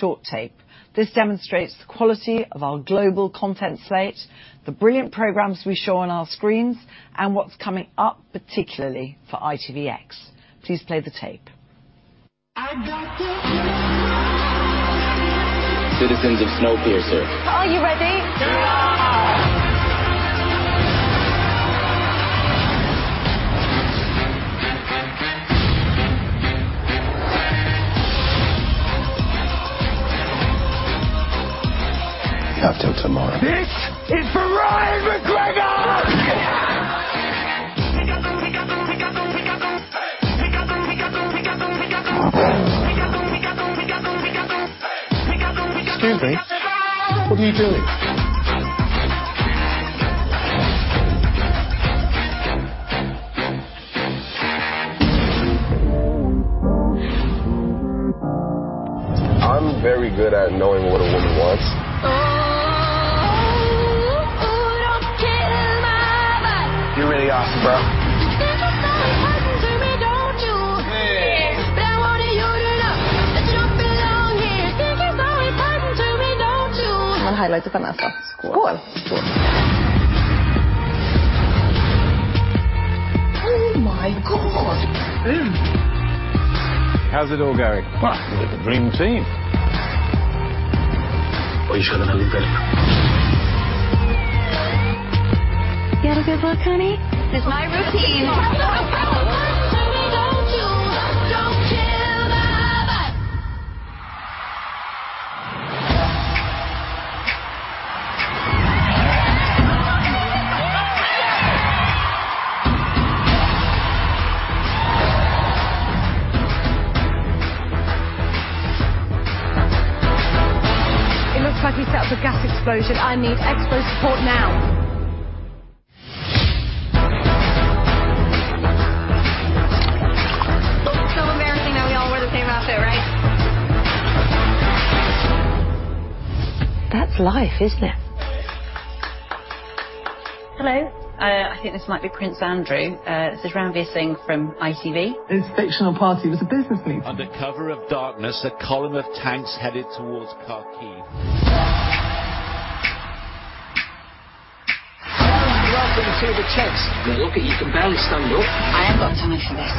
Short tape. This demonstrates the quality of our global content slate, the brilliant programs we show on our screens, and what's coming up particularly for ITVX. Please play the tape. Citizens of Snowpiercer. Are you ready? Yeah. Not till tomorrow. This is for Ryan McGregor. Excuse me, what are you doing? I'm very good at knowing what a woman wants. Oh. Oh, don't kill my vibe. You're really awesome, bro. Think you find it hurting me, don't you? Hey. I wanted you to know that you don't belong here. Think you find it hurting me, don't you? Oh my God. How's it all going? Well, we're the dream team. Or you should have been a little better. You have a good look, honey. This is my routine. Don't kill my vibe. It looks like he's set up a gas explosion. I need expo support now. Embarrassing that we all wore the same outfit, right? That's life, isn't it? Hello. I think this might be Prince Andrew. This is Ranvir Singh from ITV. This fictional party was a business meeting. Under cover of darkness, a column of tanks headed towards Kharkiv. Welcome to the tent. Good luck, you can barely stand up. I haven't got time for this.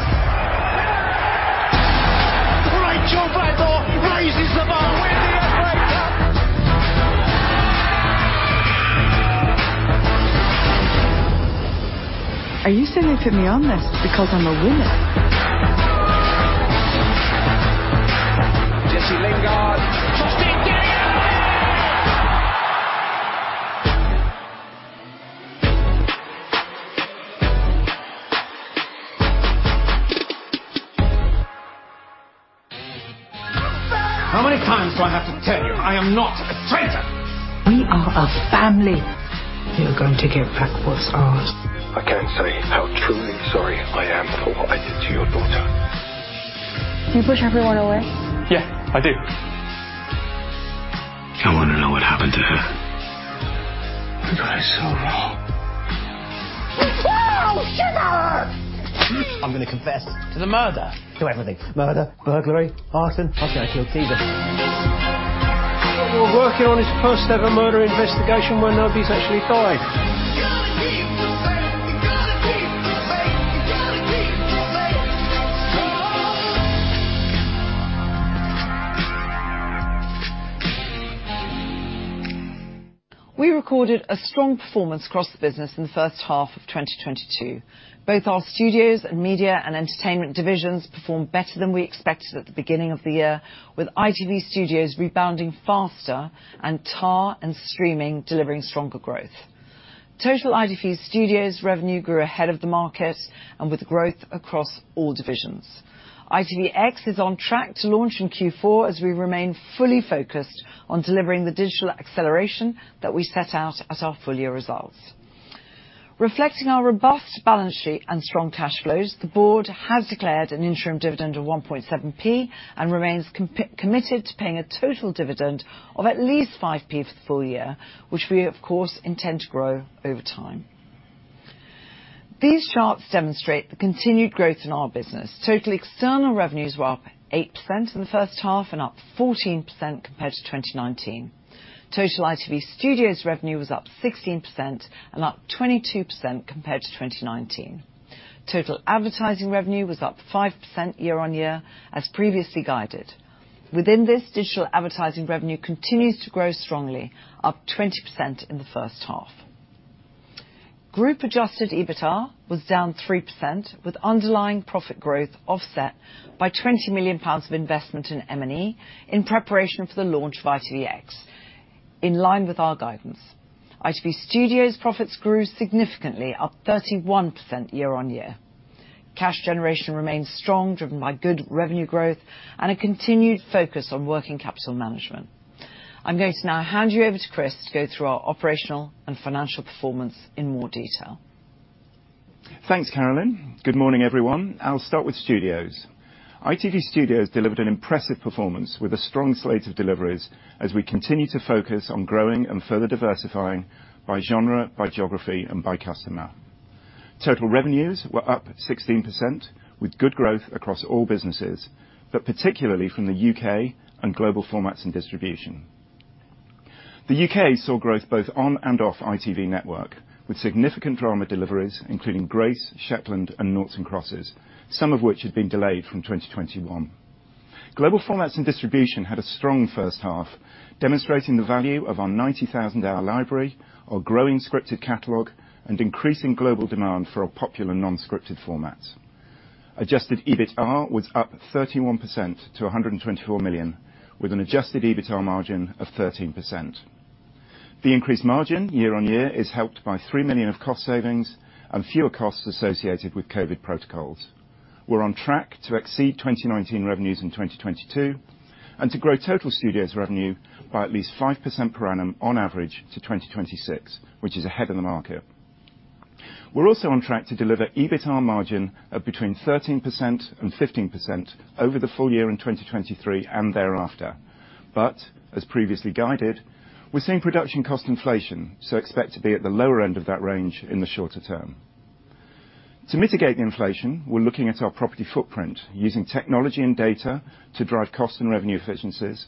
Rachael Blackmore raises the bar with the Opera Cup. Are you saying they put me on this because I'm a woman? Jesse Lingard. Justin Gela. How many times do I have to tell you? I am not a traitor. We are a family. We are going to get back what's ours. I can't say how truly sorry I am for what I did to your daughter. Do you push everyone away? Yeah, I do. I wanna know what happened to her. I got it so wrong. Oh, shit, that hurts. I'm gonna confess to the murder, to everything. Murder, burglary, arson. I say I killed Keitha. We're working on his first-ever murder investigation where nobody's actually died. You gotta keep the faith. Oh. We recorded a strong performance across the business in the first half of 2022. Both our studios and media and entertainment divisions performed better than we expected at the beginning of the year, with ITV Studios rebounding faster and TV and streaming delivering stronger growth. Total ITV Studios revenue grew ahead of the market and with growth across all divisions. ITVX is on track to launch in Q4 as we remain fully focused on delivering the digital acceleration that we set out at our full-year results. Reflecting our robust balance sheet and strong cash flows, the board has declared an interim dividend of 1.7p and remains committed to paying a total dividend of at least 5p for the full year, which we of course intend to grow over time. These charts demonstrate the continued growth in our business. Total external revenues were up 8% in the first half and up 14% compared to 2019. Total ITV Studios revenue was up 16% and up 22% compared to 2019. Total advertising revenue was up 5% year on year, as previously guided. Within this, digital advertising revenue continues to grow strongly, up 20% in the first half. Group adjusted EBITA was down 3% with underlying profit growth offset by 20 million pounds of investment in M&E in preparation for the launch of ITVX, in line with our guidance. ITV Studios profits grew significantly, up 31% year on year. Cash generation remains strong, driven by good revenue growth and a continued focus on working capital management. I'm going to now hand you over to Chris to go through our operational and financial performance in more detail. Thanks, Carolyn. Good morning, everyone. I'll start with studios. ITV Studios delivered an impressive performance with a strong slate of deliveries as we continue to focus on growing and further diversifying by genre, by geography and by customer. Total revenues were up 16%, with good growth across all businesses, but particularly from the UK and global formats and distribution. The UK saw growth both on and off ITV Network, with significant drama deliveries, including Grace, Shetland, and Noughts + Crosses, some of which had been delayed from 2021. Global formats and distribution had a strong first half, demonstrating the value of our 90,000 hour library, our growing scripted catalog, and increasing global demand for our popular non-scripted formats. Adjusted EBITA was up 31% to 124 million, with an adjusted EBITA margin of 13%. The increased margin year-on-year is helped by 3 million of cost savings and fewer costs associated with COVID protocols. We're on track to exceed 2019 revenues in 2022, and to grow total studios revenue by at least 5% per annum on average to 2026, which is ahead of the market. We're also on track to deliver EBITA margin of between 13% and 15% over the full year in 2023 and thereafter. As previously guided, we're seeing production cost inflation, so expect to be at the lower end of that range in the shorter term. To mitigate the inflation, we're looking at our property footprint using technology and data to drive cost and revenue efficiencies,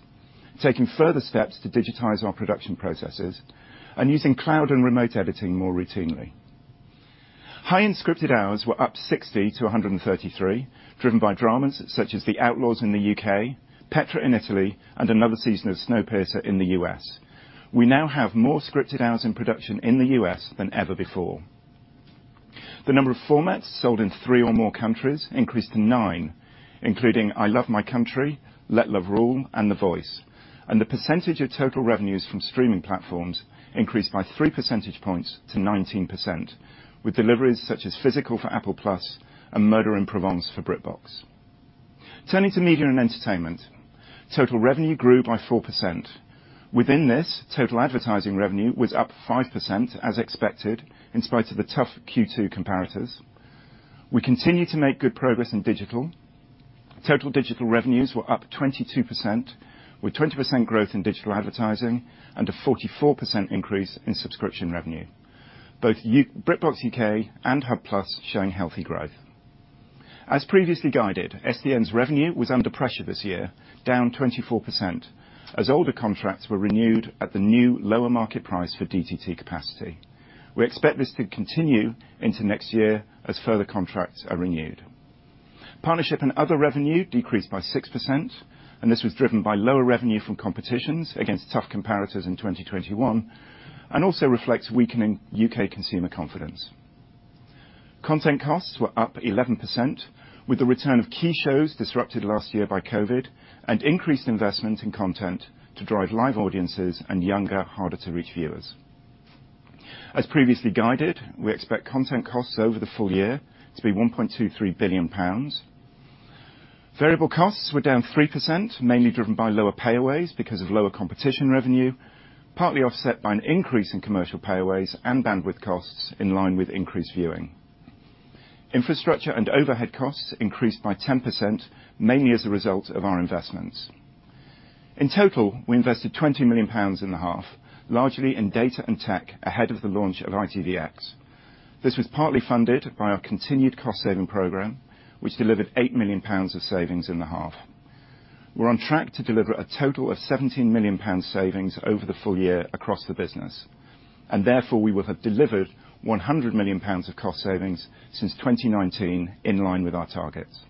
taking further steps to digitize our production processes, and using cloud and remote editing more routinely. High-end scripted hours were up 60-133, driven by dramas such as The Outlaws in the UK, Petra in Italy, and another season of Snowpiercer in the US. We now have more scripted hours in production in the US than ever before. The number of formats sold in 3 or more countries increased to 9, including I Love My Country, Let Love Rule, and The Voice. The percentage of total revenues from streaming platforms increased by 3 percentage points to 19%, with deliveries such as Physical for Apple TV+ and Murder in Provence for BritBox. Turning to media and entertainment, total revenue grew by 4%. Within this, total advertising revenue was up 5% as expected in spite of the tough Q2 comparators. We continue to make good progress in digital. Total digital revenues were up 22%, with 20% growth in digital advertising and a 44% increase in subscription revenue. Both BritBox UK and Hub+ showing healthy growth. As previously guided, SDN's revenue was under pressure this year, down 24%, as older contracts were renewed at the new lower market price for DTT capacity. We expect this to continue into next year as further contracts are renewed. Partnership and other revenue decreased by 6%, and this was driven by lower revenue from competitions against tough comparators in 2021, and also reflects weakening UK consumer confidence. Content costs were up 11% with the return of key shows disrupted last year by COVID and increased investment in content to drive live audiences and younger, harder to reach viewers. As previously guided, we expect content costs over the full year to be 1.23 billion pounds. Variable costs were down 3%, mainly driven by lower payaways because of lower competition revenue, partly offset by an increase in commercial payaways and bandwidth costs in line with increased viewing. Infrastructure and overhead costs increased by 10%, mainly as a result of our investments. In total, we invested 20 million pounds in the half, largely in data and tech ahead of the launch of ITVX. This was partly funded by our continued cost saving program, which delivered 8 million pounds of savings in the half. We're on track to deliver a total of 17 million pounds savings over the full year across the business, and therefore we will have delivered 100 million pounds of cost savings since 2019 in line with our targets.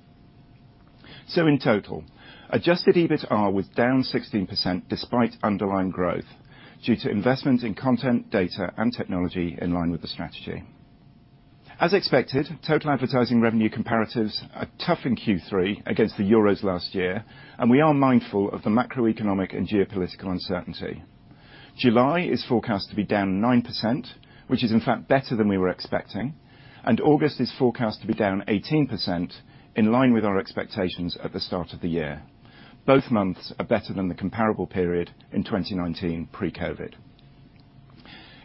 In total, adjusted EBITA was down 16% despite underlying growth due to investment in content, data and technology in line with the strategy. As expected, total advertising revenue comparatives are tough in Q3 against the Euros last year, and we are mindful of the macroeconomic and geopolitical uncertainty. July is forecast to be down 9%, which is in fact better than we were expecting, and August is forecast to be down 18% in line with our expectations at the start of the year. Both months are better than the comparable period in 2019 pre-COVID.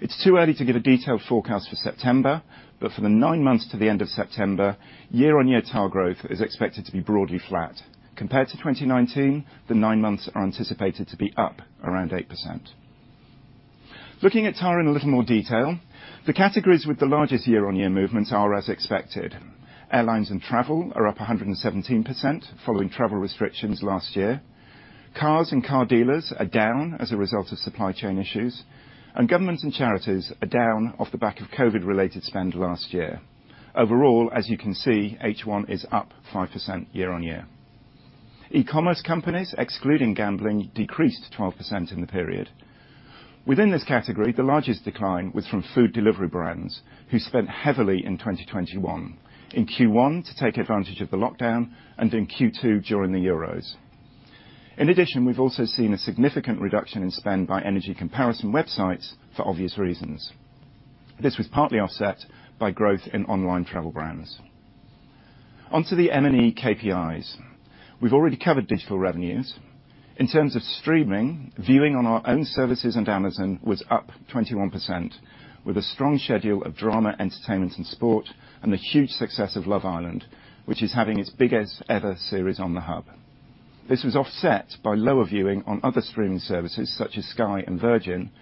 It's too early to give a detailed forecast for September, but for the nine months to the end of September, year-on-year TAR growth is expected to be broadly flat. Compared to 2019, the nine months are anticipated to be up around 8%. Looking at TAR in a little more detail, the categories with the largest year-over-year movements are as expected. Airlines and travel are up 117% following travel restrictions last year. Cars and car dealers are down as a result of supply chain issues, and governments and charities are down off the back of COVID-related spend last year. Overall, as you can see, H1 is up 5% year-over-year. E-commerce companies, excluding gambling, decreased 12% in the period. Within this category, the largest decline was from food delivery brands who spent heavily in 2021, in Q1 to take advantage of the lockdown and in Q2 during the Euros. In addition, we've also seen a significant reduction in spend by energy comparison websites for obvious reasons. This was partly offset by growth in online travel brands. Onto the M&A KPIs. We've already covered digital revenues. In terms of streaming, viewing on our own services and Amazon was up 21% with a strong schedule of drama, entertainment, and sport, and the huge success of Love Island, which is having its biggest ever series on ITV Hub. This was offset by lower viewing on other streaming services, such as Sky and Virgin Media,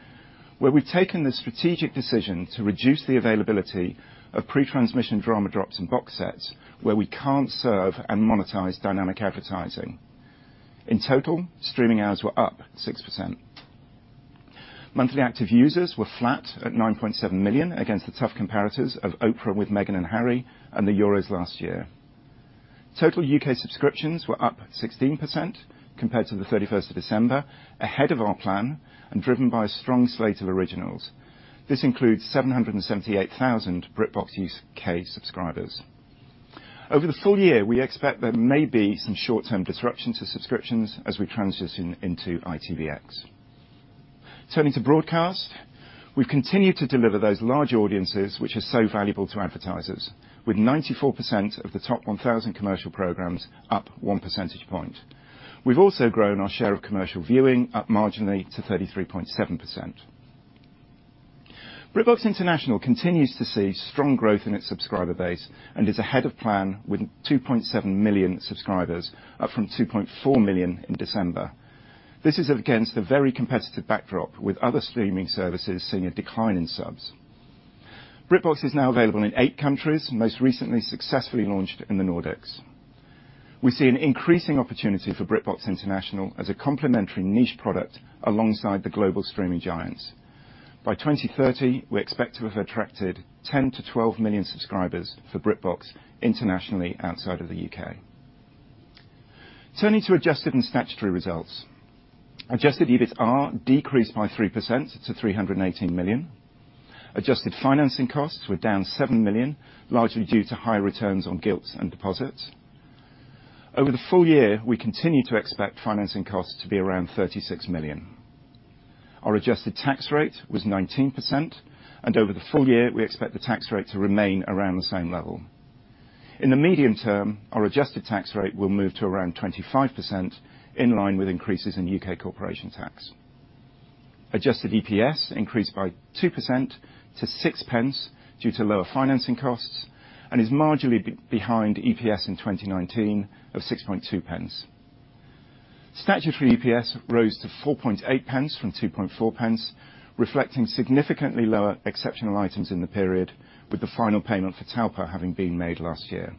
where we've taken the strategic decision to reduce the availability of pre-transmission drama drops and box sets where we can't serve and monetize dynamic advertising. In total, streaming hours were up 6%. Monthly active users were flat at 9.7 million against the tough comparatives of Oprah with Meghan and Harry and the Euros last year. Total UK subscriptions were up 16% compared to the 31st of December, ahead of our plan and driven by a strong slate of originals. This includes 778,000 BritBox UK subscribers. Over the full year, we expect there may be some short-term disruption to subscriptions as we transition into ITVX. Turning to broadcast, we've continued to deliver those large audiences which are so valuable to advertisers. With 94% of the top 1,000 commercial programs up one percentage point. We've also grown our share of commercial viewing up marginally to 33.7%. BritBox International continues to see strong growth in its subscriber base and is ahead of plan with 2.7 million subscribers, up from 2.4 million in December. This is against a very competitive backdrop, with other streaming services seeing a decline in subs. BritBox is now available in eight countries, most recently successfully launched in the Nordics. We see an increasing opportunity for BritBox International as a complementary niche product alongside the global streaming giants. By 2030, we expect to have attracted 10-12 million subscribers for BritBox internationally outside of the UK. Turning to adjusted and statutory results. Adjusted EBITA decreased by 3% to 318 million. Adjusted financing costs were down 7 million, largely due to higher returns on gilts and deposits. Over the full year, we continue to expect financing costs to be around 36 million. Our adjusted tax rate was 19%, and over the full year, we expect the tax rate to remain around the same level. In the medium term, our adjusted tax rate will move to around 25% in line with increases in UK corporation tax. Adjusted EPS increased by 2% to 6 pence due to lower financing costs and is marginally behind EPS in 2019 of 6.2 pence. Statutory EPS rose to 4.8 pence from 2.4 pence, reflecting significantly lower exceptional items in the period with the final payment for Talpa having been made last year.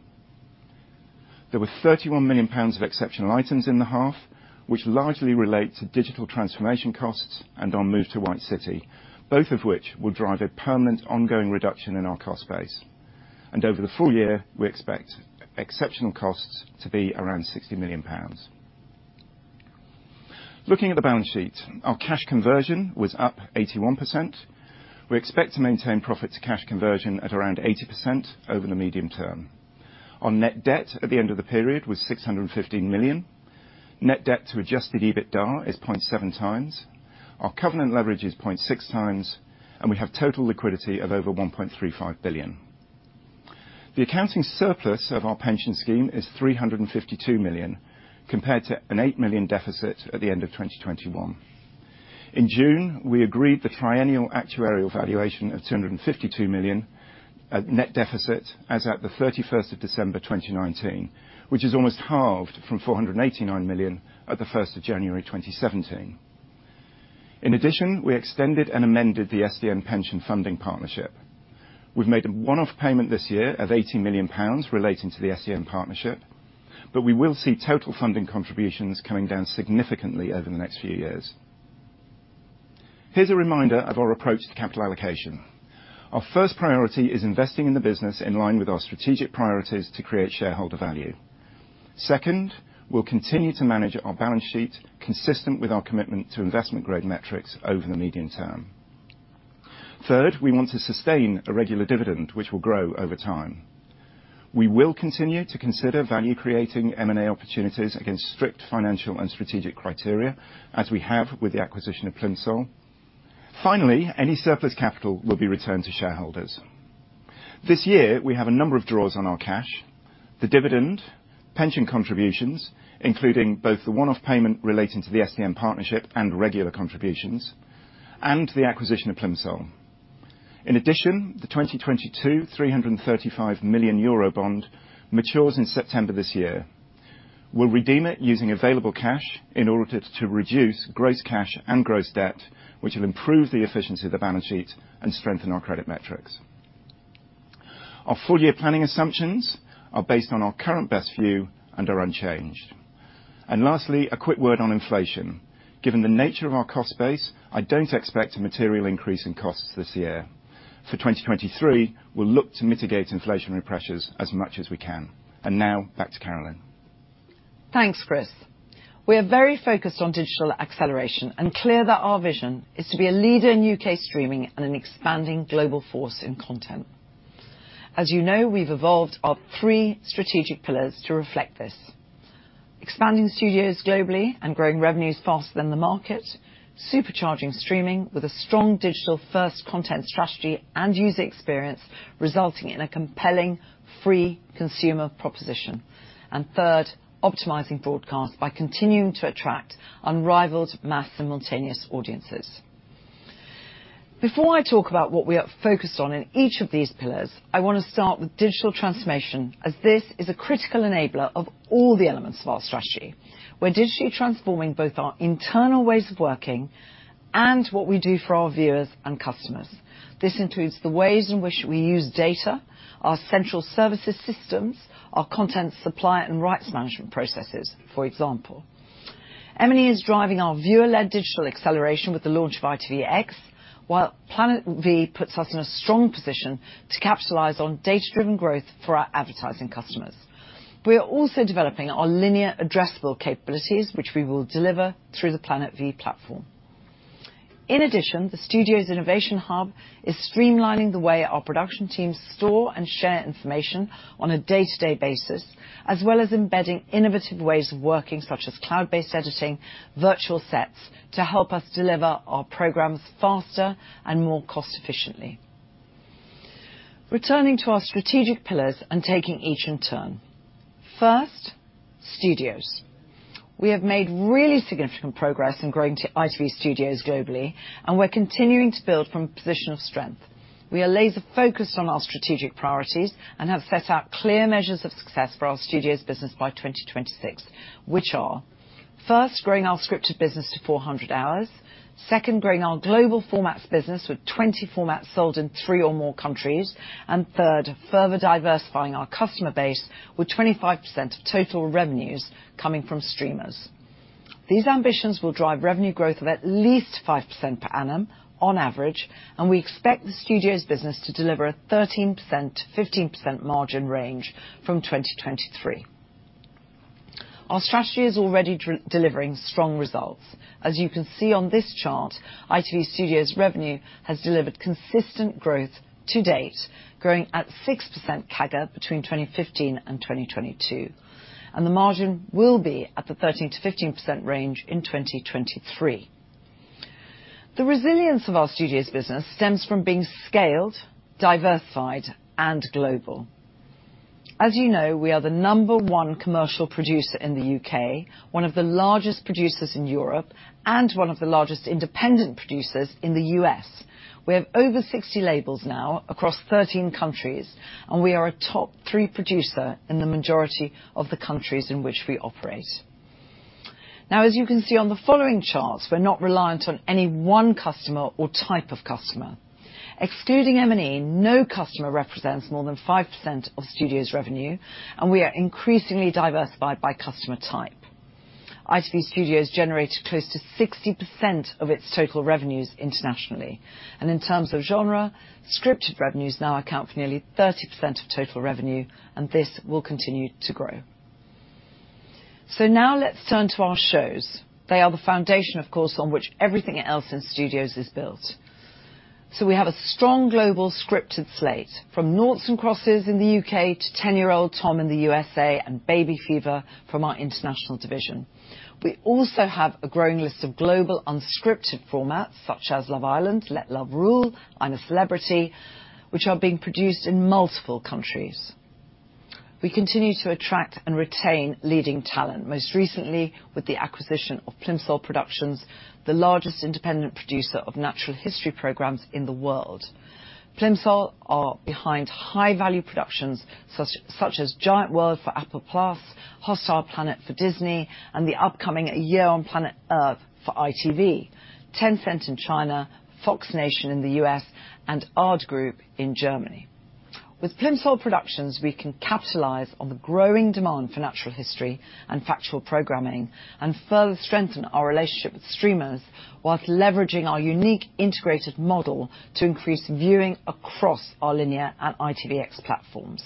There were 31 million pounds of exceptional items in the half, which largely relate to digital transformation costs and our move to White City, both of which will drive a permanent ongoing reduction in our cost base. Over the full year, we expect exceptional costs to be around 60 million pounds. Looking at the balance sheet, our cash conversion was up 81%. We expect to maintain profit to cash conversion at around 80% over the medium term. Our net debt at the end of the period was 615 million. Net debt to adjusted EBITDA is 0.7x. Our covenant leverage is 0.6 times, and we have total liquidity of over 1.35 billion. The accounting surplus of our pension scheme is 352 million, compared to a 8 million deficit at the end of 2021. In June, we agreed the triennial actuarial valuation of 252 million net deficit as at December 31, 2019, which is almost halved from 489 million at January 1, 2017. In addition, we extended and amended the SDN Pension Funding Partnership. We've made a one-off payment this year of 80 million pounds relating to the SDN partnership, but we will see total funding contributions coming down significantly over the next few years. Here's a reminder of our approach to capital allocation. Our first priority is investing in the business in line with our strategic priorities to create shareholder value. Second, we'll continue to manage our balance sheet consistent with our commitment to investment-grade metrics over the medium term. Third, we want to sustain a regular dividend which will grow over time. We will continue to consider value-creating M&A opportunities against strict financial and strategic criteria as we have with the acquisition of Plimsoll. Finally, any surplus capital will be returned to shareholders. This year, we have a number of draws on our cash, the dividend, pension contributions, including both the one-off payment relating to the SDN partnership and regular contributions, and the acquisition of Plimsoll. In addition, the 2022 335 million euro bond matures in September this year. We'll redeem it using available cash in order to reduce gross cash and gross debt, which will improve the efficiency of the balance sheet and strengthen our credit metrics. Our full year planning assumptions are based on our current best view and are unchanged. Lastly, a quick word on inflation. Given the nature of our cost base, I don't expect a material increase in costs this year. For 2023, we'll look to mitigate inflationary pressures as much as we can. Now back to Carolyn. Thanks, Chris. We are very focused on digital acceleration and clear that our vision is to be a leader in UK streaming and an expanding global force in content. As you know, we've evolved our three strategic pillars to reflect this. Expanding studios globally and growing revenues faster than the market. Supercharging streaming with a strong digital-first content strategy and user experience, resulting in a compelling free consumer proposition. Third, optimizing broadcast by continuing to attract unrivaled mass simultaneous audiences. Before I talk about what we are focused on in each of these pillars, I wanna start with digital transformation, as this is a critical enabler of all the elements of our strategy. We're digitally transforming both our internal ways of working and what we do for our viewers and customers. This includes the ways in which we use data, our central services systems, our content supply, and rights management processes, for example. M&E is driving our viewer-led digital acceleration with the launch of ITVX, while Planet V puts us in a strong position to capitalize on data-driven growth for our advertising customers. We are also developing our linear addressable capabilities, which we will deliver through the Planet V platform. In addition, the studio's innovation hub is streamlining the way our production teams store and share information on a day-to-day basis, as well as embedding innovative ways of working, such as cloud-based editing, virtual sets to help us deliver our programs faster and more cost efficiently. Returning to our strategic pillars and taking each in turn. First, studios. We have made really significant progress in growing ITV Studios globally, and we're continuing to build from a position of strength. We are laser-focused on our strategic priorities and have set out clear measures of success for our studios business by 2026, which are, first, growing our scripted business to 400 hours, second, growing our global formats business with 20 formats sold in three or more countries, and third, further diversifying our customer base with 25% of total revenues coming from streamers. These ambitions will drive revenue growth of at least 5% per annum on average, and we expect the studios business to deliver a 13%-15% margin range from 2023. Our strategy is already delivering strong results. As you can see on this chart, ITV Studios revenue has delivered consistent growth to date, growing at 6% CAGR between 2015 and 2022, and the margin will be at the 13%-15% range in 2023. The resilience of our studios business stems from being scaled, diversified, and global. As you know, we are the number one commercial producer in the UK, one of the largest producers in Europe, and one of the largest independent producers in the US. We have over 60 labels now across 13 countries, and we are a top three producer in the majority of the countries in which we operate. Now, as you can see on the following charts, we're not reliant on any one customer or type of customer. Excluding M&E, no customer represents more than 5% of studios revenue, and we are increasingly diversified by customer type. ITV Studios generated close to 60% of its total revenues internationally. In terms of genre, scripted revenues now account for nearly 30% of total revenue, and this will continue to grow. Now let's turn to our shows. They are the foundation, of course, on which everything else in studios is built. We have a strong global scripted slate from Noughts + Crosses in the UK to Ten Year Old Tom in the USA and Baby Fever from our international division. We also have a growing list of global unscripted formats, such as Love Island, Let Love Rule, I'm a Celebrity, which are being produced in multiple countries. We continue to attract and retain leading talent, most recently with the acquisition of Plimsoll Productions, the largest independent producer of natural history programs in the world. Plimsoll are behind high-value productions, such as Giant World for Apple+, Hostile Planet for Disney, and the upcoming A Year on Planet Earth for ITV, Tencent in China, Fox Nation in the US, and ARD in Germany. With Plimsoll Productions, we can capitalize on the growing demand for natural history and factual programming and further strengthen our relationship with streamers while leveraging our unique integrated model to increase viewing across our linear and ITVX platforms.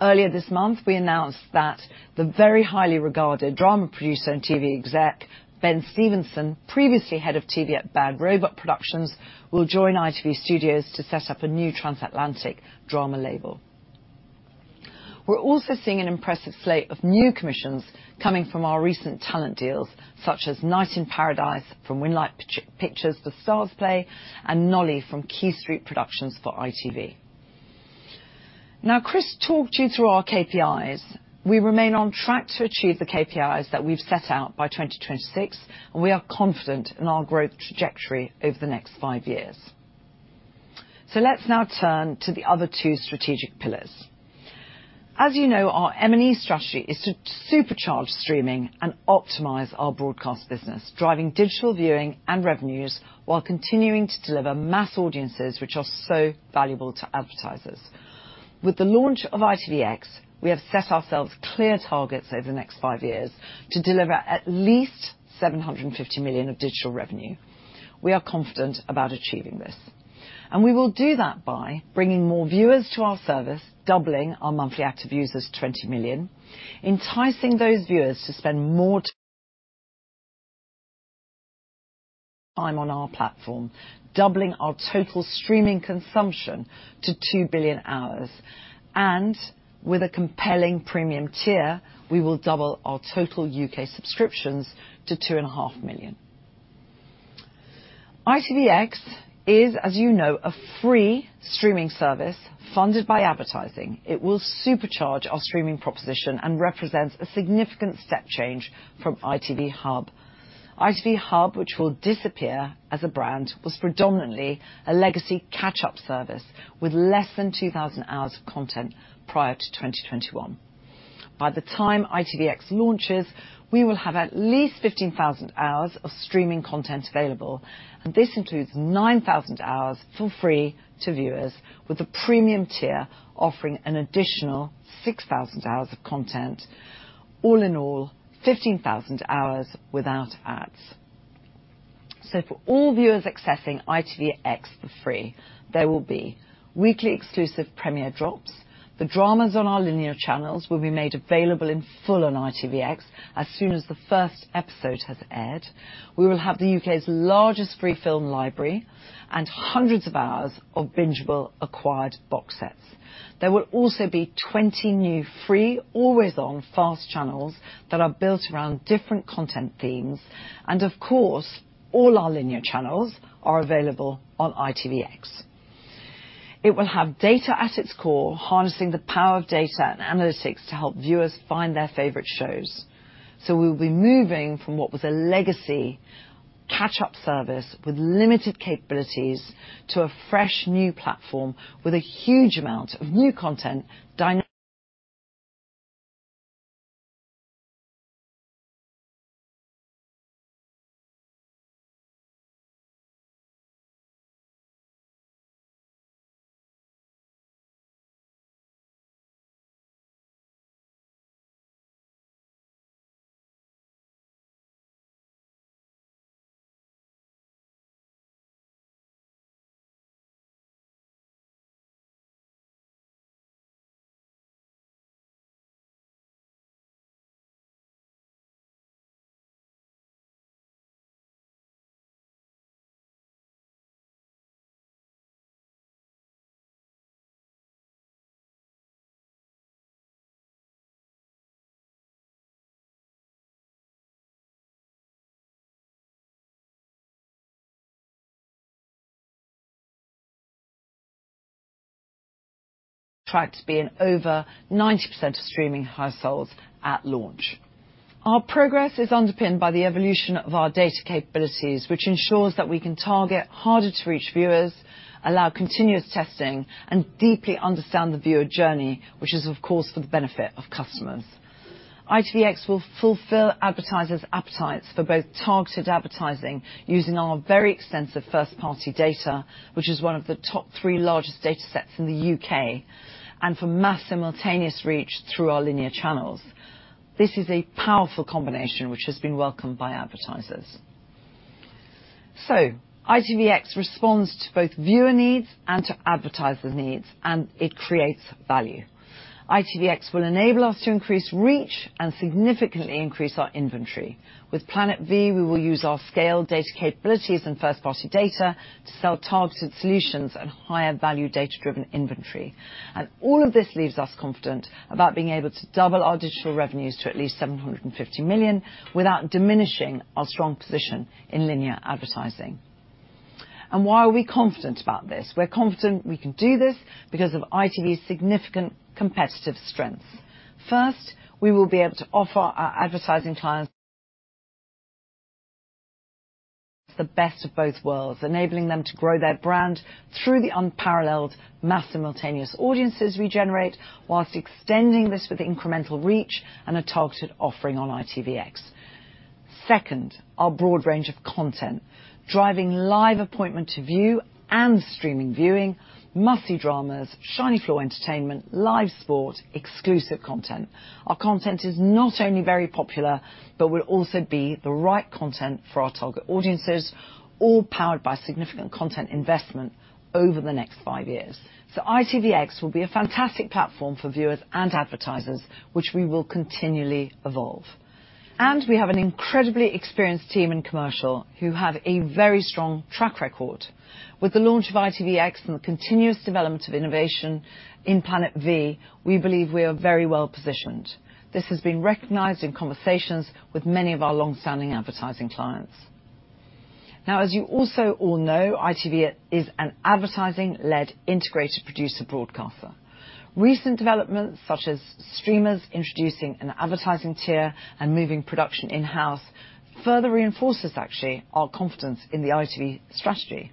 Earlier this month, we announced that the very highly regarded drama producer and TV exec, Ben Stephenson, previously head of TV at Bad Robot Productions, will join ITV Studios to set up a new transatlantic drama label. We're also seeing an impressive slate of new commissions coming from our recent talent deals, such as Night in Paradise from Windlight Pictures for StarzPlay and Nolly from Quay Street Productions for ITV. Now, Chris talked you through our KPIs. We remain on track to achieve the KPIs that we've set out by 2026, and we are confident in our growth trajectory over the next five years. Let's now turn to the other two strategic pillars. As you know, our M&E strategy is to supercharge streaming and optimize our broadcast business, driving digital viewing and revenues while continuing to deliver mass audiences, which are so valuable to advertisers. With the launch of ITVX, we have set ourselves clear targets over the next five years to deliver at least 750 million of digital revenue. We are confident about achieving this. We will do that by bringing more viewers to our service, doubling our monthly active users to 20 million, enticing those viewers to spend more time on our platform, doubling our total streaming consumption to 2 billion hours. With a compelling premium tier, we will double our total UK subscriptions to 2.5 million. ITVX is, as you know, a free streaming service funded by advertising. It will supercharge our streaming proposition and represents a significant step change from ITV Hub. ITV Hub, which will disappear as a brand, was predominantly a legacy catch-up service with less than 2,000 hours of content prior to 2021. By the time ITVX launches, we will have at least 15,000 hours of streaming content available, and this includes 9,000 hours for free to viewers, with a premium tier offering an additional 6,000 hours of content. All in all, 15,000 hours without ads. For all viewers accessing ITVX for free, there will be weekly exclusive premiere drops, the dramas on our linear channels will be made available in full on ITVX as soon as the first episode has aired. We will have the UK's largest free film library and hundreds of hours of bingeable acquired box sets. There will also be 20 new free always-on FAST channels that are built around different content themes, and of course, all our linear channels are available on ITVX. It will have data at its core, harnessing the power of data and analytics to help viewers find their favorite shows. We'll be moving from what was a legacy catch-up service with limited capabilities to a fresh new platform with a huge amount of new content dynamically on track to be in over 90% of streaming households at launch. Our progress is underpinned by the evolution of our data capabilities, which ensures that we can target harder-to-reach viewers, allow continuous testing, and deeply understand the viewer journey, which is of course for the benefit of customers. ITVX will fulfill advertisers' appetites for both targeted advertising using our very extensive first-party data, which is one of the top three largest data sets in the UK, and for mass simultaneous reach through our linear channels. This is a powerful combination which has been welcomed by advertisers. ITVX responds to both viewer needs and to advertisers' needs, and it creates value. ITVX will enable us to increase reach and significantly increase our inventory. With Planet V, we will use our scale data capabilities and first-party data to sell targeted solutions and higher-value data-driven inventory. All of this leaves us confident about being able to double our digital revenues to at least 750 million without diminishing our strong position in linear advertising. Why are we confident about this? We're confident we can do this because of ITV's significant competitive strengths. First, we will be able to offer our advertising clients the best of both worlds, enabling them to grow their brand through the unparalleled mass simultaneous audiences we generate while extending this with incremental reach and a targeted offering on ITVX. Second, our broad range of content, driving live appointment to view and streaming viewing, must-see dramas, shiny floor entertainment, live sport, exclusive content. Our content is not only very popular, but will also be the right content for our target audiences, all powered by significant content investment over the next five years. ITVX will be a fantastic platform for viewers and advertisers, which we will continually evolve. We have an incredibly experienced team in commercial who have a very strong track record. With the launch of ITVX and the continuous development of innovation in Planet V, we believe we are very well-positioned. This has been recognized in conversations with many of our long-standing advertising clients. Now, as you also all know, ITV is an advertising-led integrated producer broadcaster. Recent developments, such as streamers introducing an advertising tier and moving production in-house, further reinforces actually our confidence in the ITV strategy.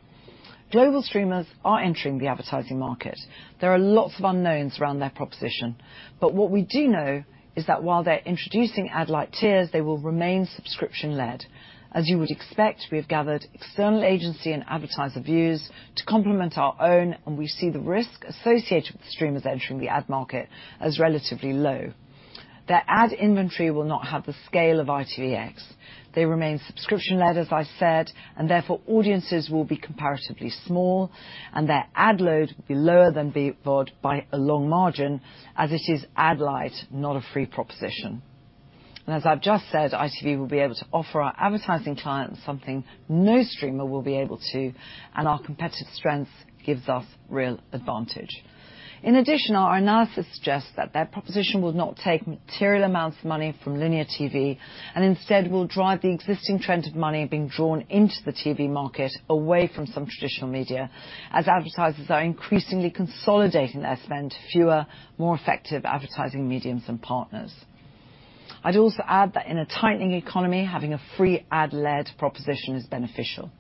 Global streamers are entering the advertising market. There are lots of unknowns around their proposition, but what we do know is that while they're introducing ad-like tiers, they will remain subscription-led. As you would expect, we have gathered external agency and advertiser views to complement our own, and we see the risk associated with streamers entering the ad market as relatively low. Their ad inventory will not have the scale of ITVX. They remain subscription-led, as I said, and therefore audiences will be comparatively small, and their ad load will be lower than BVOD by a long margin, as it is ad light, not a free proposition. As I've just said, ITV will be able to offer our advertising clients something no streamer will be able to, and our competitive strength gives us real advantage. In addition, our analysis suggests that their proposition will not take material amounts of money from linear TV, and instead will drive the existing trend of money being drawn into the TV market away from some traditional media, as advertisers are increasingly consolidating their spend, fewer, more effective advertising mediums and partners. I'd also add that in a tightening economy, having a free ad-led proposition is beneficial.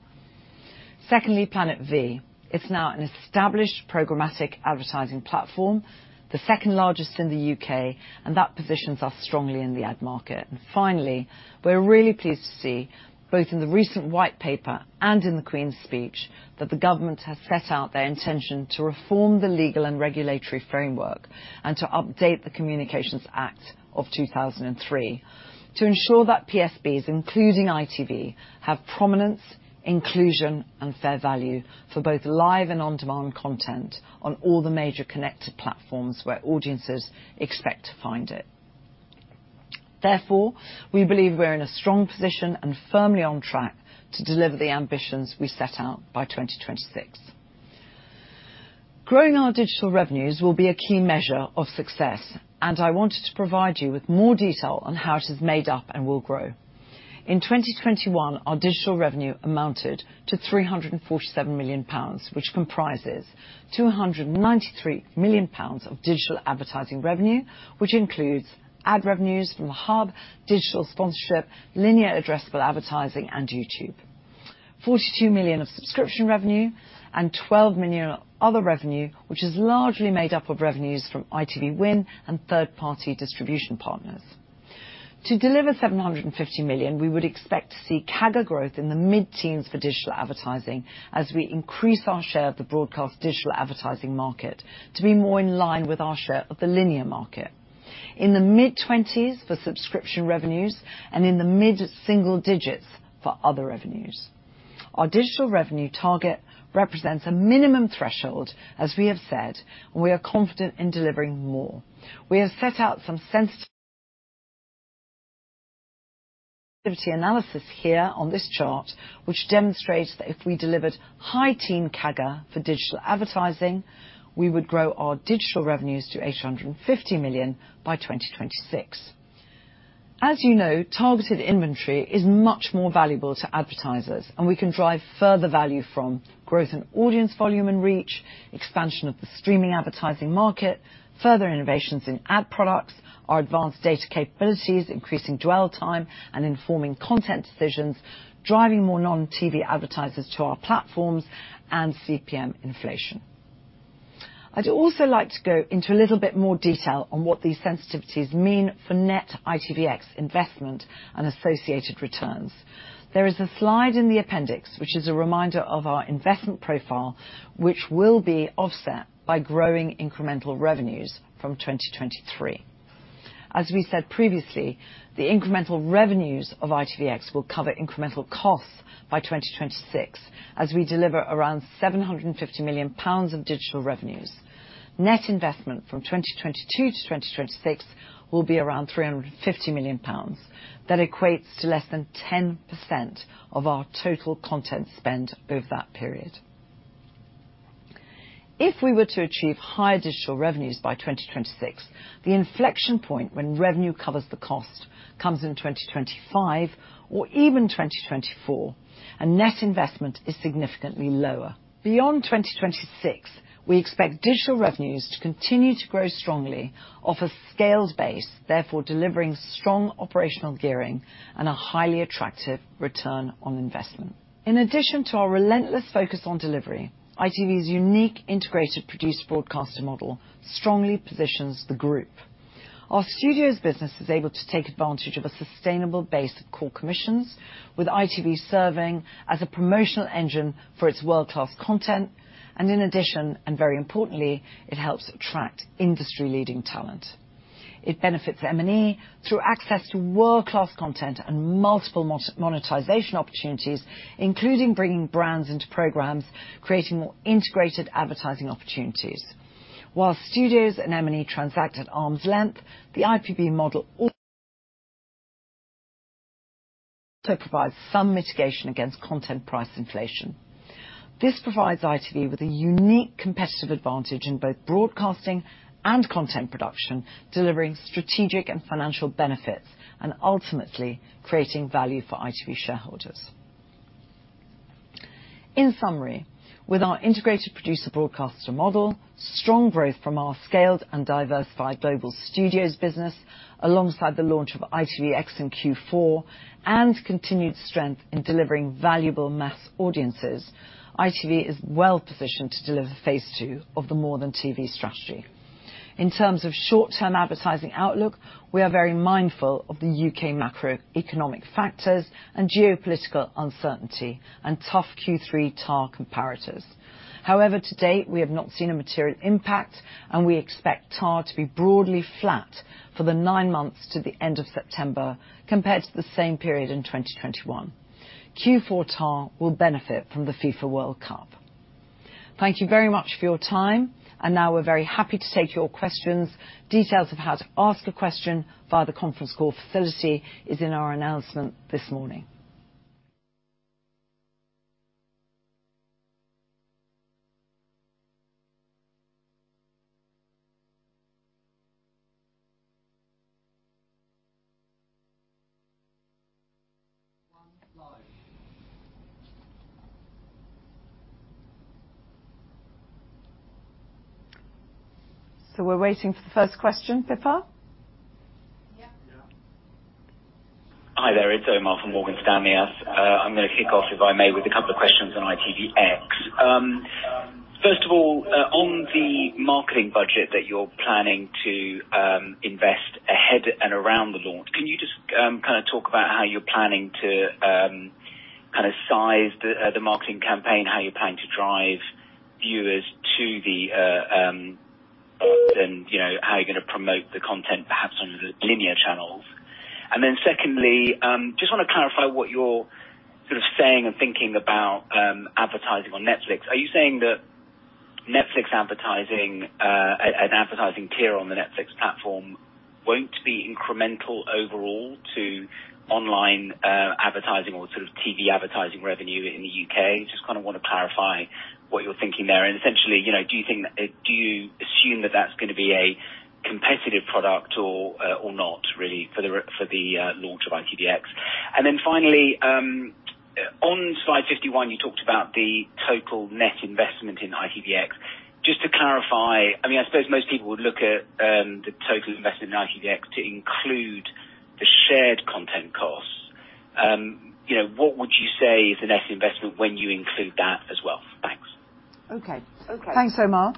Secondly, Planet V. It's now an established programmatic advertising platform, the second-largest in the UK, and that positions us strongly in the ad market. Finally, we're really pleased to see both in the recent white paper and in the Queen's Speech, that the government has set out their intention to reform the legal and regulatory framework and to update the Communications Act of 2003 to ensure that PSBs, including ITV, have prominence, inclusion, and fair value for both live and on-demand content on all the major connected platforms where audiences expect to find it. Therefore, we believe we're in a strong position and firmly on track to deliver the ambitions we set out by 2026. Growing our digital revenues will be a key measure of success, and I wanted to provide you with more detail on how it is made up and will grow. In 2021, our digital revenue amounted to 347 million pounds, which comprises 293 million pounds of digital advertising revenue, which includes ad revenues from Hub, digital sponsorship, linear addressable advertising, and YouTube. 42 million of subscription revenue and 12 million other revenue, which is largely made up of revenues from ITV Win and third-party distribution partners. To deliver 750 million, we would expect to see CAGR growth in the mid-teens for digital advertising as we increase our share of the broadcast digital advertising market to be more in line with our share of the linear market. In the mid-twenties for subscription revenues and in the mid-single digits for other revenues. Our digital revenue target represents a minimum threshold, as we have said, and we are confident in delivering more. We have set out some sensitivity analysis here on this chart, which demonstrates that if we delivered high-teens CAGR for digital advertising, we would grow our digital revenues to 850 million by 2026. As you know, targeted inventory is much more valuable to advertisers, and we can drive further value from growth in audience volume and reach, expansion of the streaming advertising market, further innovations in ad products, our advanced data capabilities, increasing dwell time and informing content decisions, driving more non-TV advertisers to our platforms and CPM inflation. I'd also like to go into a little bit more detail on what these sensitivities mean for net ITVX investment and associated returns. There is a slide in the appendix, which is a reminder of our investment profile, which will be offset by growing incremental revenues from 2023. As we said previously, the incremental revenues of ITVX will cover incremental costs by 2026, as we deliver around 750 million pounds of digital revenues. Net investment from 2022 to 2026 will be around 350 million pounds. That equates to less than 10% of our total content spend over that period. If we were to achieve higher digital revenues by 2026, the inflection point when revenue covers the cost comes in 2025 or even 2024, and net investment is significantly lower. Beyond 2026, we expect digital revenues to continue to grow strongly off a scaled base, therefore delivering strong operational gearing and a highly attractive return on investment. In addition to our relentless focus on delivery, ITV's unique integrated producer broadcaster model strongly positions the group. Our studios business is able to take advantage of a sustainable base of core commissions, with ITV serving as a promotional engine for its world-class content, and in addition, and very importantly, it helps attract industry-leading talent. It benefits M&E through access to world-class content and multiple monetization opportunities, including bringing brands into programs, creating more integrated advertising opportunities. While studios and M&E transact at arm's length, the IPB model also provides some mitigation against content price inflation. This provides ITV with a unique competitive advantage in both broadcasting and content production, delivering strategic and financial benefits, and ultimately, creating value for ITV shareholders. In summary, with our integrated producer broadcaster model, strong growth from our scaled and diversified global studios business, alongside the launch of ITVX in Q4, and continued strength in delivering valuable mass audiences, ITV is well-positioned to deliver phase two of the more-than-TV strategy. In terms of short-term advertising outlook, we are very mindful of the U.K. macroeconomic factors and geopolitical uncertainty and tough Q3 TAR comparators. However, to date, we have not seen a material impact, and we expect TAR to be broadly flat for the nine months to the end of September compared to the same period in 2021. Q4 TAR will benefit from the FIFA World Cup. Thank you very much for your time, and now we're very happy to take your questions. Details of how to ask a question via the conference call facility is in our announcement this morning. One moment. We're waiting for the first question, Pippa? Yeah. Hi there, it's Omar from Morgan Stanley. I'm gonna kick off, if I may, with a couple of questions on ITVX. First of all, on the marketing budget that you're planning to invest ahead and around the launch, can you just kinda talk about how you're planning to kinda size the marketing campaign? How you're planning to drive viewers to the and you know, how you're gonna promote the content perhaps on the linear channels. Then secondly, just wanna clarify what you're sort of saying and thinking about advertising on Netflix. Are you saying that Netflix advertising, an advertising tier on the Netflix platform won't be incremental overall to online advertising or sort of TV advertising revenue in the UK? Just kinda wanna clarify what you're thinking there. Essentially, you know, do you think that. Do you assume that that's gonna be a competitive product or not really for the launch of ITVX. Then finally, on slide 51, you talked about the total net investment in ITVX. Just to clarify, I mean, I suppose most people would look at the total investment in ITVX to include the shared content costs. You know, what would you say is the net investment when you include that as well? Thanks. Okay. Thanks, Omar.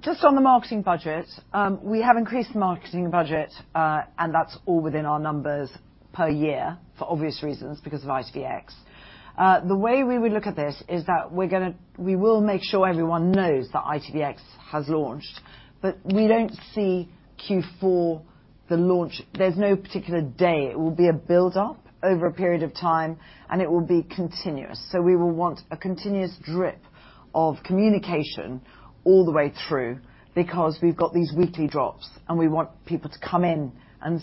Just on the marketing budget, we have increased the marketing budget, and that's all within our numbers per year for obvious reasons, because of ITVX. The way we would look at this is that we will make sure everyone knows that ITVX has launched, but we don't see Q4, the launch. There's no particular day. It will be a build-up over a period of time, and it will be continuous. We will want a continuous drip of communication all the way through, because we've got these weekly drops, and we want people to come in and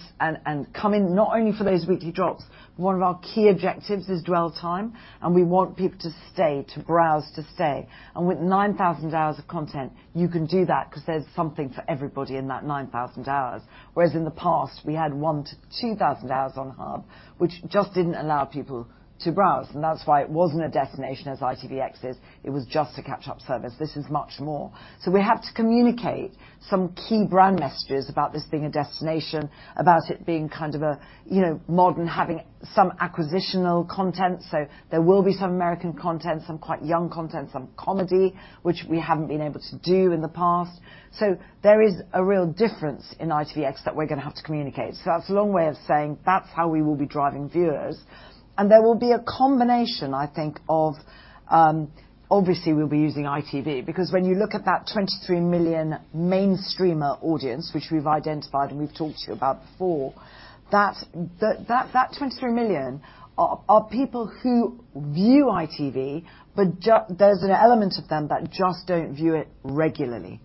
come in not only for those weekly drops. One of our key objectives is dwell time, and we want people to stay, to browse, to stay. With 9,000 hours of content, you can do that 'cause there's something for everybody in that 9,000 hours. Whereas in the past, we had 1,000-2,000 hours on Hub, which just didn't allow people to browse, and that's why it wasn't a destination as ITVX is. It was just a catch-up service. This is much more. We have to communicate some key brand messages about this being a destination, about it being kind of a, you know, modern, having some acquisitional content. There will be some American content, some quite young content, some comedy, which we haven't been able to do in the past. There is a real difference in ITVX that we're gonna have to communicate. That's a long way of saying that's how we will be driving viewers. There will be a combination, I think of, obviously we'll be using ITV, because when you look at that 23 million mainstream audience, which we've identified and we've talked to you about before, that 23 million are people who view ITV, but there's an element of them that just don't view it regularly.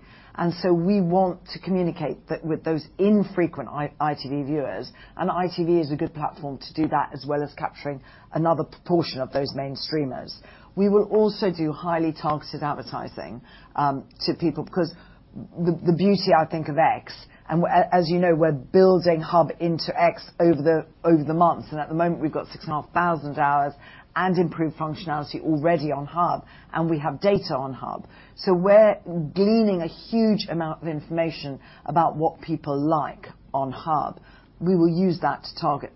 We want to communicate that with those infrequent ITV viewers, and ITV is a good platform to do that, as well as capturing another proportion of those mainstream. We will also do highly targeted advertising to people because the beauty I think of ITVX, and as you know, we're building Hub into ITVX over the months. At the moment we've got 6,500 hours and improved functionality already on Hub, and we have data on Hub. We're gleaning a huge amount of information about what people like on Hub. We will use that to target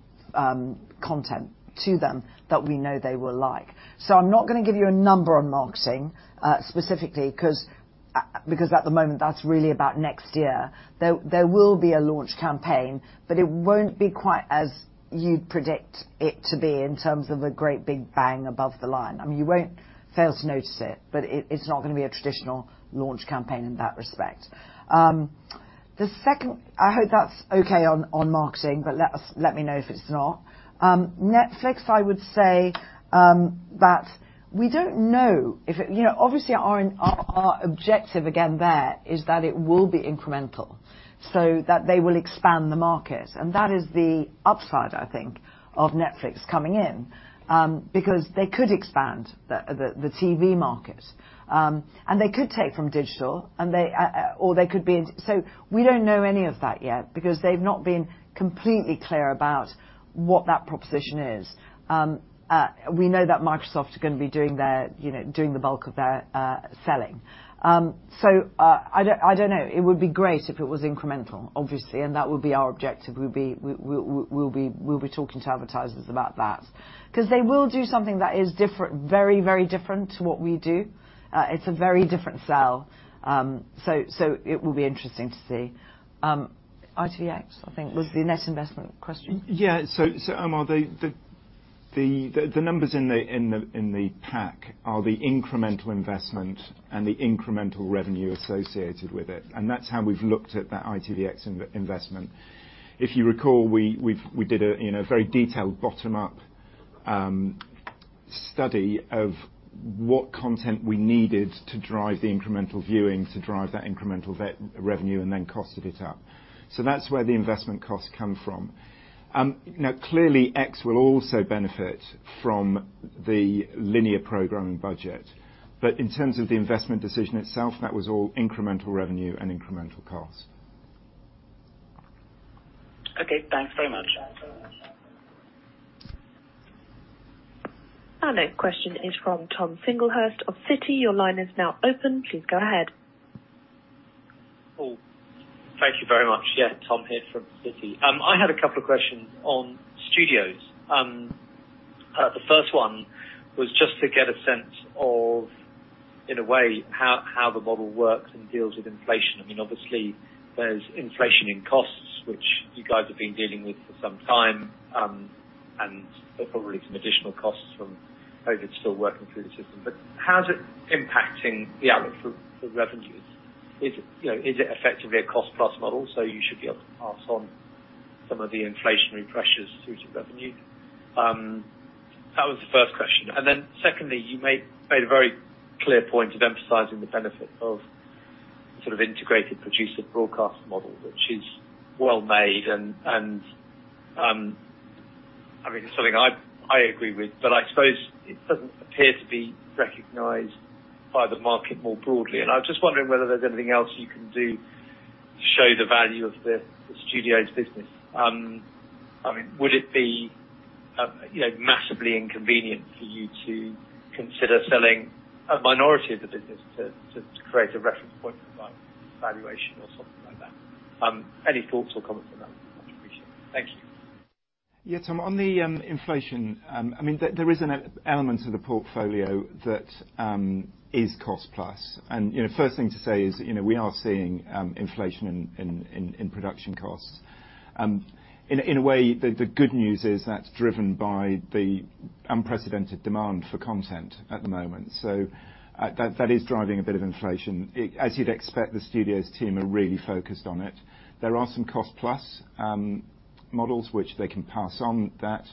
content to them that we know they will like. I'm not gonna give you a number on marketing specifically 'cause at the moment that's really about next year. There will be a launch campaign, but it won't be quite as you'd predict it to be in terms of a great big bang above the line. I mean, you won't fail to notice it, but it's not gonna be a traditional launch campaign in that respect. I hope that's okay on marketing, but let me know if it's not. Netflix, I would say, that we don't know if it. You know, obviously our objective again there is that it will be incremental, so that they will expand the market. That is the upside, I think of Netflix coming in. Because they could expand the TV market, and they could take from digital. We don't know any of that yet because they've not been completely clear about what that proposition is. We know that Microsoft is gonna be doing the bulk of their selling. I don't know. It would be great if it was incremental, obviously, and that would be our objective. We'll be talking to advertisers about that. 'Cause they will do something that is different, very, very different to what we do. It's a very different sell. It will be interesting to see. ITVX, I think was the net investment question. Yeah. Omar, the numbers in the pack are the incremental investment and the incremental revenue associated with it, and that's how we've looked at that ITVX investment. If you recall, we did a you know very detailed bottom-up study of what content we needed to drive the incremental viewing, to drive that incremental revenue and then costed it up. That's where the investment costs come from. Now clearly, ITVX will also benefit from the linear programming budget. In terms of the investment decision itself, that was all incremental revenue and incremental cost. Okay, thanks very much. Our next question is from Thomas Singlehurst of Citi. Your line is now open. Please go ahead. Cool. Thank you very much. Yeah, Tom here from Citi. I had a couple of questions on studios. The first one was just to get a sense of, in a way, how the model works and deals with inflation. I mean, obviously, there's inflation in costs, which you guys have been dealing with for some time, and probably some additional costs from COVID still working through the system. But how is it impacting the outlook for revenues? Is it, you know, is it effectively a cost plus model, so you should be able to pass on some of the inflationary pressures through to revenue? That was the first question. Then secondly, you made a very clear point of emphasizing the benefit of sort of integrated producer-broadcast model, which is well made, I mean, it's something I agree with. I suppose it doesn't appear to be recognized by the market more broadly. I was just wondering whether there's anything else you can do to show the value of the studio's business. I mean, would it be, you know, massively inconvenient for you to consider selling a minority of the business to create a reference point for like valuation or something like that? Any thoughts or comments on that, much appreciated. Thank you. Yeah, Tom, on the inflation, I mean, there is an element of the portfolio that is cost plus. You know, first thing to say is, you know, we are seeing inflation in production costs. In a way, the good news is that's driven by the unprecedented demand for content at the moment. That is driving a bit of inflation. As you'd expect, the studios team are really focused on it. There are some cost plus models which they can pass on that.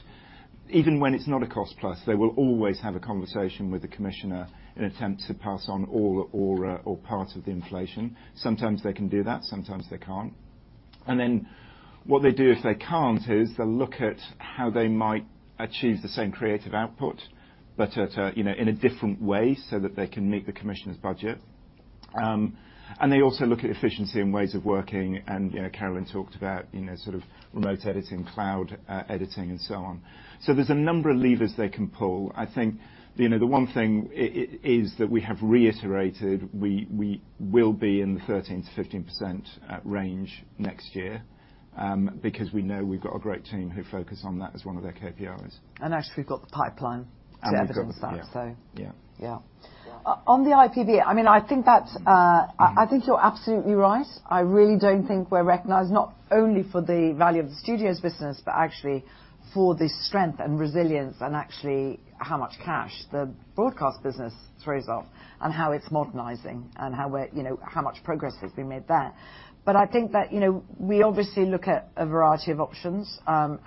Even when it's not a cost plus, they will always have a conversation with the commissioner in attempt to pass on all, or parts of the inflation. Sometimes they can do that, sometimes they can't. Then what they do if they can't is they'll look at how they might achieve the same creative output, but at a, you know, in a different way so that they can meet the commissioner's budget. They also look at efficiency and ways of working, and, you know, Carolyn McCall talked about, you know, sort of remote editing, cloud editing and so on. There's a number of levers they can pull. I think, you know, the one thing is that we have reiterated, we will be in the 13%-15% range next year, because we know we've got a great team who focus on that as one of their KPIs. Actually we've got the pipeline- We've got the to evidence that. Yeah. So. Yeah. On the IPV, I mean, I think that's, I think you're absolutely right. I really don't think we're recognized, not only for the value of the studios business, but actually for the strength and resilience and actually how much cash the broadcast business throws off, and how it's modernizing, and how we're, you know, how much progress has been made there. I think that, you know, we obviously look at a variety of options. Tom,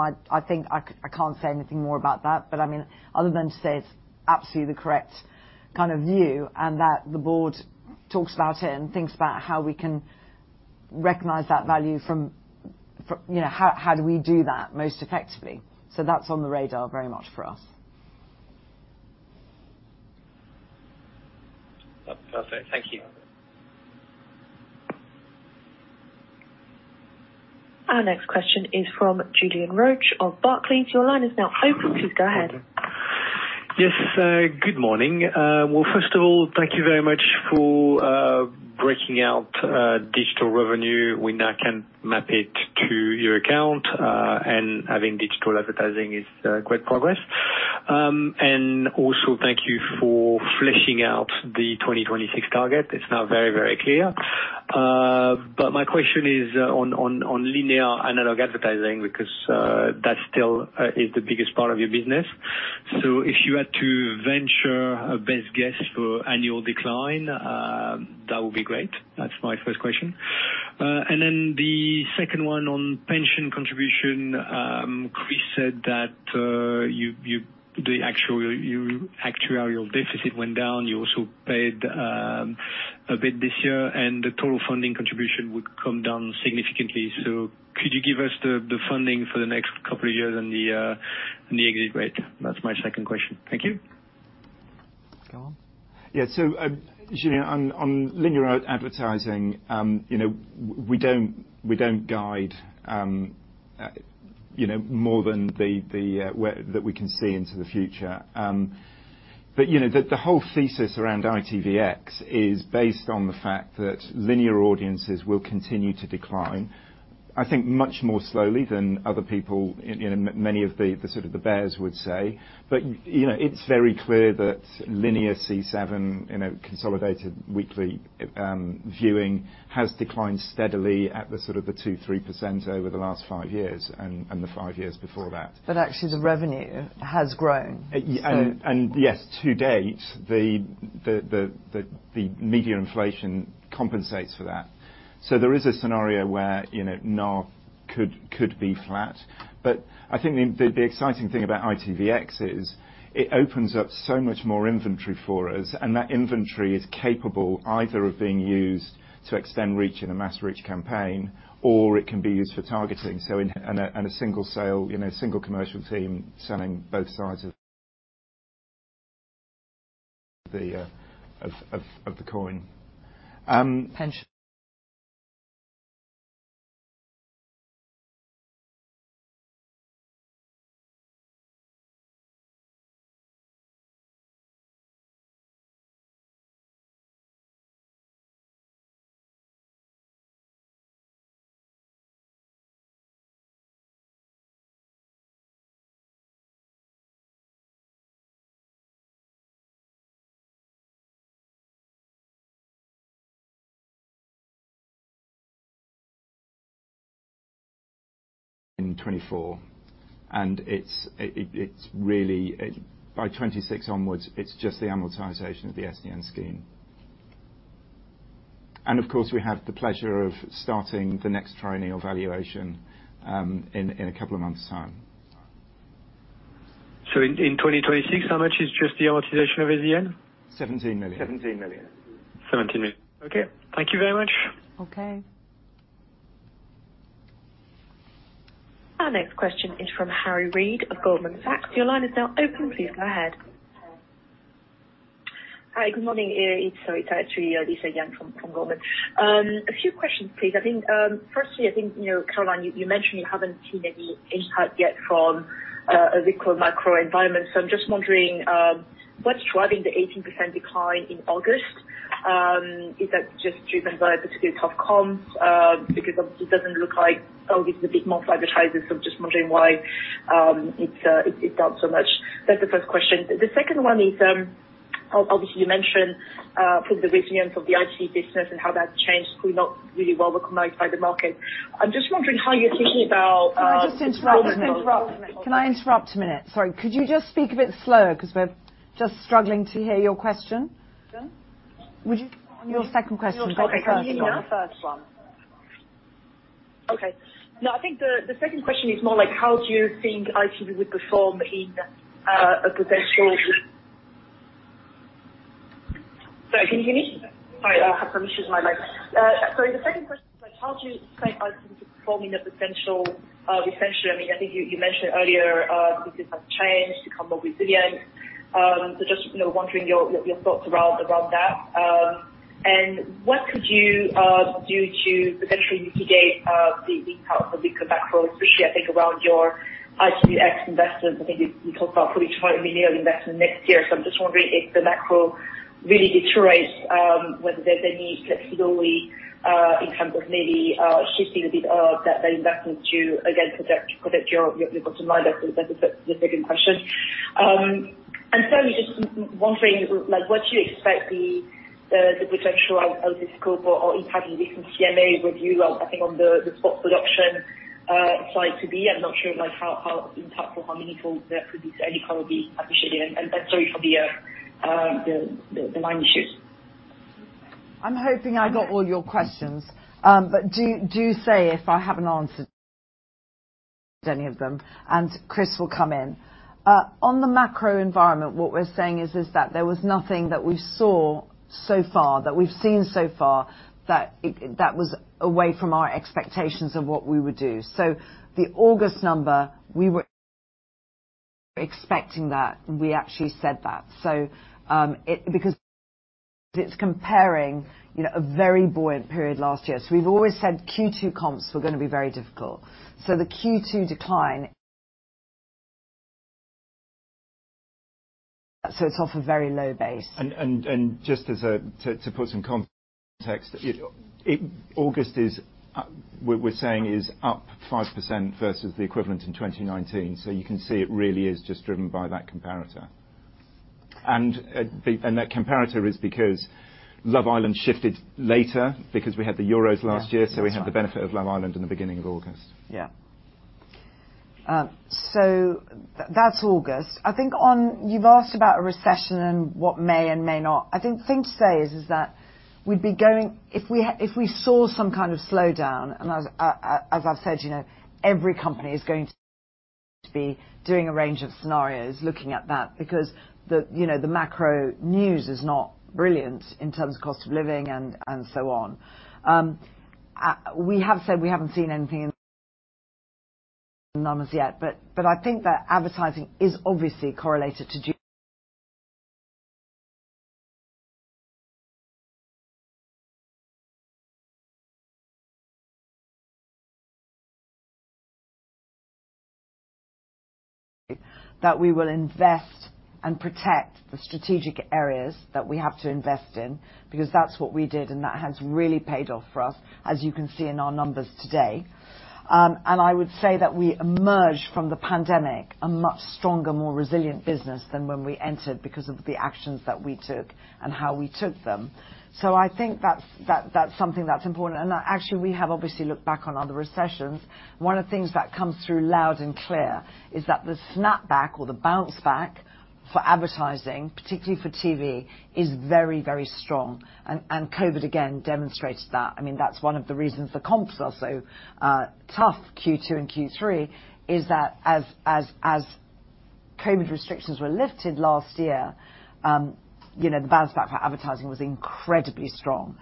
I think I can't say anything more about that. I mean, other than to say it's absolutely the correct kind of view, and that the board talks about it and thinks about how we can recognize that value from, you know, how do we do that most effectively. That's on the radar very much for us. That's perfect. Thank you. Our next question is from Julien Roch of Barclays. Your line is now open. Please go ahead. Yes. Good morning. Well, first of all, thank you very much for breaking out digital revenue. We now can map it to your account. And having digital advertising is great progress. And also thank you for fleshing out the 2026 target. It's now very, very clear. My question is on linear analog advertising because that still is the biggest part of your business. If you had to venture a best guess for annual decline, that would be great. That's my first question. Then the second one on pension contribution. Chris said that your actuarial deficit went down. You also paid a bit this year, and the total funding contribution would come down significantly. Could you give us the funding for the next couple of years and the exit rate? That's my second question. Thank you. Go on. Yeah. Julian, on linear advertising, you know, we don't guide more than that we can see into the future. You know, the whole thesis around ITVX is based on the fact that linear audiences will continue to decline, I think much more slowly than other people, you know, many of the sort of bears would say. You know, it's very clear that linear C7, you know, consolidated weekly viewing has declined steadily at the sort of 2%-3% over the last five years and the five years before that. Actually the revenue has grown. Yeah. Yes, to date, the media inflation compensates for that. There is a scenario where, you know, NAR could be flat. I think the exciting thing about ITVX is it opens up so much more inventory for us, and that inventory is capable either of being used to extend reach in a mass reach campaign, or it can be used for targeting. In a single sale, you know, single commercial team selling both sides of the coin. Pension In 2024. It's really by 2026 onwards, it's just the amortization of the SDN scheme. Of course, we have the pleasure of starting the next triennial valuation in a couple of months' time. In 2026, how much is just the amortization of SDN? 17 million. 17 million. Okay, thank you very much. Okay. Our next question is from Conor O'Shea of Goldman Sachs. Your line is now open. Please go ahead. Hi, good morning. It's actually Lisa Yang from Goldman. A few questions, please. I think firstly, I think you know, Carolyn, you mentioned you haven't seen any impact yet from the current macro environment. I'm just wondering what's driving the 18% decline in August? Is that just driven by particularly tough comps? Because obviously it doesn't look like, oh, it's a bit more advertisers. I'm just wondering why it's down so much. That's the first question. The second one is obviously you mentioned sort of the resilience of the ITV business and how that's changed, probably not really well recognized by the market. I'm just wondering how you're thinking about Can I just interrupt? Interrupt. Sorry. Can I interrupt a minute? Sorry. Could you just speak a bit slower because we're just struggling to hear your question. Sure. Would you start on your second question? Not the first one. Okay. No, I think the second question is more like how do you think ITV would perform in a potential. Sorry, can you hear me? Sorry, I have some issues with my mic. The second question was how do you see ITV performing in a potential. Essentially, I mean, I think you mentioned earlier the business has changed to become more resilient. Just you know wondering your thoughts around that. What could you do to potentially mitigate the impact of weaker macro, especially I think around your ITVX investments. I think we talked about GBP 45 million investment next year. I'm just wondering if the macro really deteriorates whether there's any flexibility in terms of maybe shifting a bit of that investment to again protect your bottom line. That's the second question. Thirdly, just wondering like, what do you expect the potential out of scope or impact of recent CMA review, like, I think on the sports production side to be? I'm not sure like how impactful, how meaningful that could be to any part would be appreciated and sorry for the line issues. I'm hoping I got all your questions. Do say if I haven't answered any of them, and Chris will come in. On the macro environment, what we're saying is that there was nothing that we saw so far, that we've seen so far that was away from our expectations of what we would do. The August number, we were expecting that, and we actually said that. Because it's comparing, you know, a very buoyant period last year. We've always said Q2 comps were gonna be very difficult. The Q2 decline, so it's off a very low base. To put some context. August is up, we're saying, 5% versus the equivalent in 2019. You can see it really is just driven by that comparator. That comparator is because Love Island shifted later because we had the Euros last year. Yeah. We had the benefit of Love Island in the beginning of August. Yeah. So that's August. I think. You've asked about a recession and what may and may not. I think the thing to say is that we'd be going. If we saw some kind of slowdown, and as I've said, you know, every company is going to be doing a range of scenarios looking at that because the, you know, the macro news is not brilliant in terms of cost of living and so on. We have said we haven't seen anything in the numbers yet, but I think that advertising is obviously correlated to. That we will invest and protect the strategic areas that we have to invest in because that's what we did, and that has really paid off for us, as you can see in our numbers today. I would say that we emerged from the pandemic a much stronger, more resilient business than when we entered because of the actions that we took and how we took them. I think that's something that's important. Actually, we have obviously looked back on other recessions. One of the things that comes through loud and clear is that the snapback or the bounce back for advertising, particularly for TV, is very, very strong, and COVID again demonstrated that. I mean, that's one of the reasons the comps are so tough, Q2 and Q3, is that as COVID restrictions were lifted last year, you know, the bounce back for advertising was incredibly strong.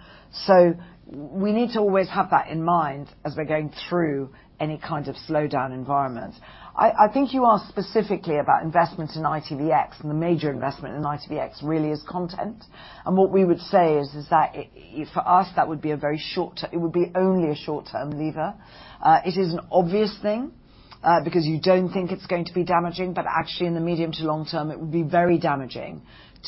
We need to always have that in mind as we're going through any kind of slowdown environment. I think you asked specifically about investments in ITVX, and the major investment in ITVX really is content. What we would say is that for us, that would be only a short-term lever. It is an obvious thing, because you don't think it's going to be damaging, but actually, in the medium to long term, it would be very damaging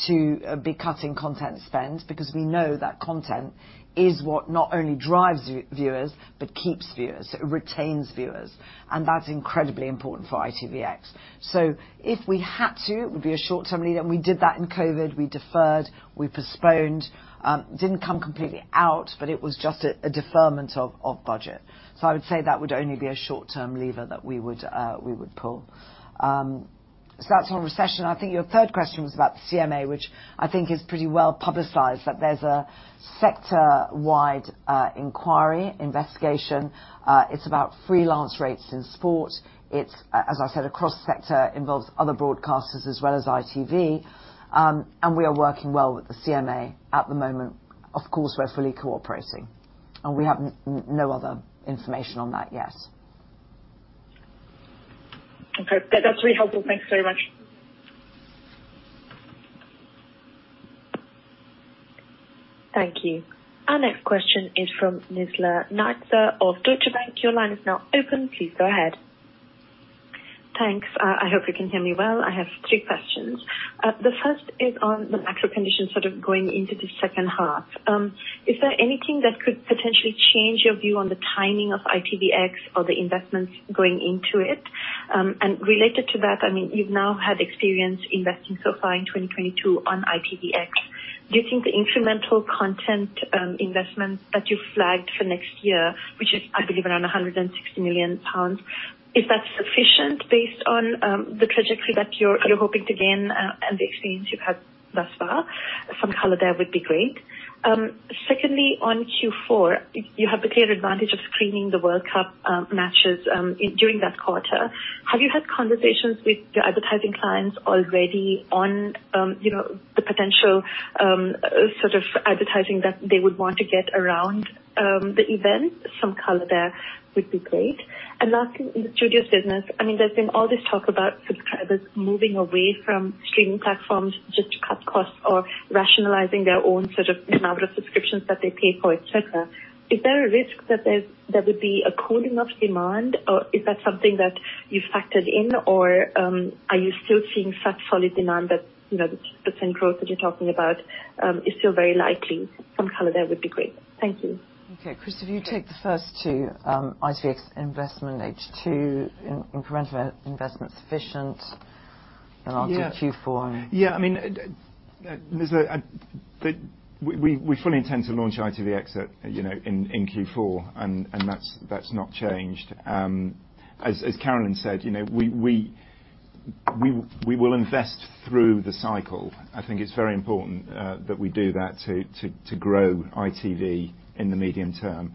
to be cutting content spend. Because we know that content is what not only drives viewers but keeps viewers. It retains viewers, and that's incredibly important for ITVX. If we had to, it would be a short-term lever. We did that in COVID, we deferred, we postponed. Didn't come completely out, but it was just a deferment of budget. I would say that would only be a short-term lever that we would pull. That's on recession. I think your third question was about the CMA, which I think is pretty well-publicized, that there's a sector-wide inquiry, investigation. It's about freelance rates in sport. It's as I said, across sector, involves other broadcasters as well as ITV. We are working well with the CMA at the moment. Of course, we're fully cooperating, and we have no other information on that yet. Okay. That's really helpful. Thanks so much. Thank you. Our next question is from Nizla Naizer of Deutsche Bank. Your line is now open. Please go ahead. Thanks. I hope you can hear me well. I have three questions. The first is on the macro conditions sort of going into the second half. Is there anything that could potentially change your view on the timing of ITVX or the investments going into it? And related to that, I mean, you've now had experience investing so far in 2022 on ITVX. Do you think the incremental content investment that you flagged for next year, which is, I believe, around 160 million pounds, is that sufficient based on the trajectory that you're hoping to gain and the experience you've had thus far? Some color there would be great. Secondly, on Q4, you have the clear advantage of screening the World Cup matches during that quarter. Have you had conversations with your advertising clients already on, you know, the potential, sort of advertising that they would want to get around, the event? Some color there would be great. Lastly, in the studio business, I mean, there's been all this talk about subscribers moving away from streaming platforms just to cut costs or rationalizing their own sort of number of subscriptions that they pay for, et cetera. Is there a risk that there would be a cooling of demand, or is that something that you factored in, or, are you still seeing such solid demand that, you know, the % growth that you're talking about, is still very likely? Some color there would be great. Thank you. Okay. Chris, if you take the first two, ITVX investment H2, incremental investment sufficient, and onto Q4. Yeah. I mean, Nizla, we fully intend to launch ITVX at, you know, in Q4, and that's not changed. As Carolyn said, you know, we will invest through the cycle. I think it's very important that we do that to grow ITV in the medium term.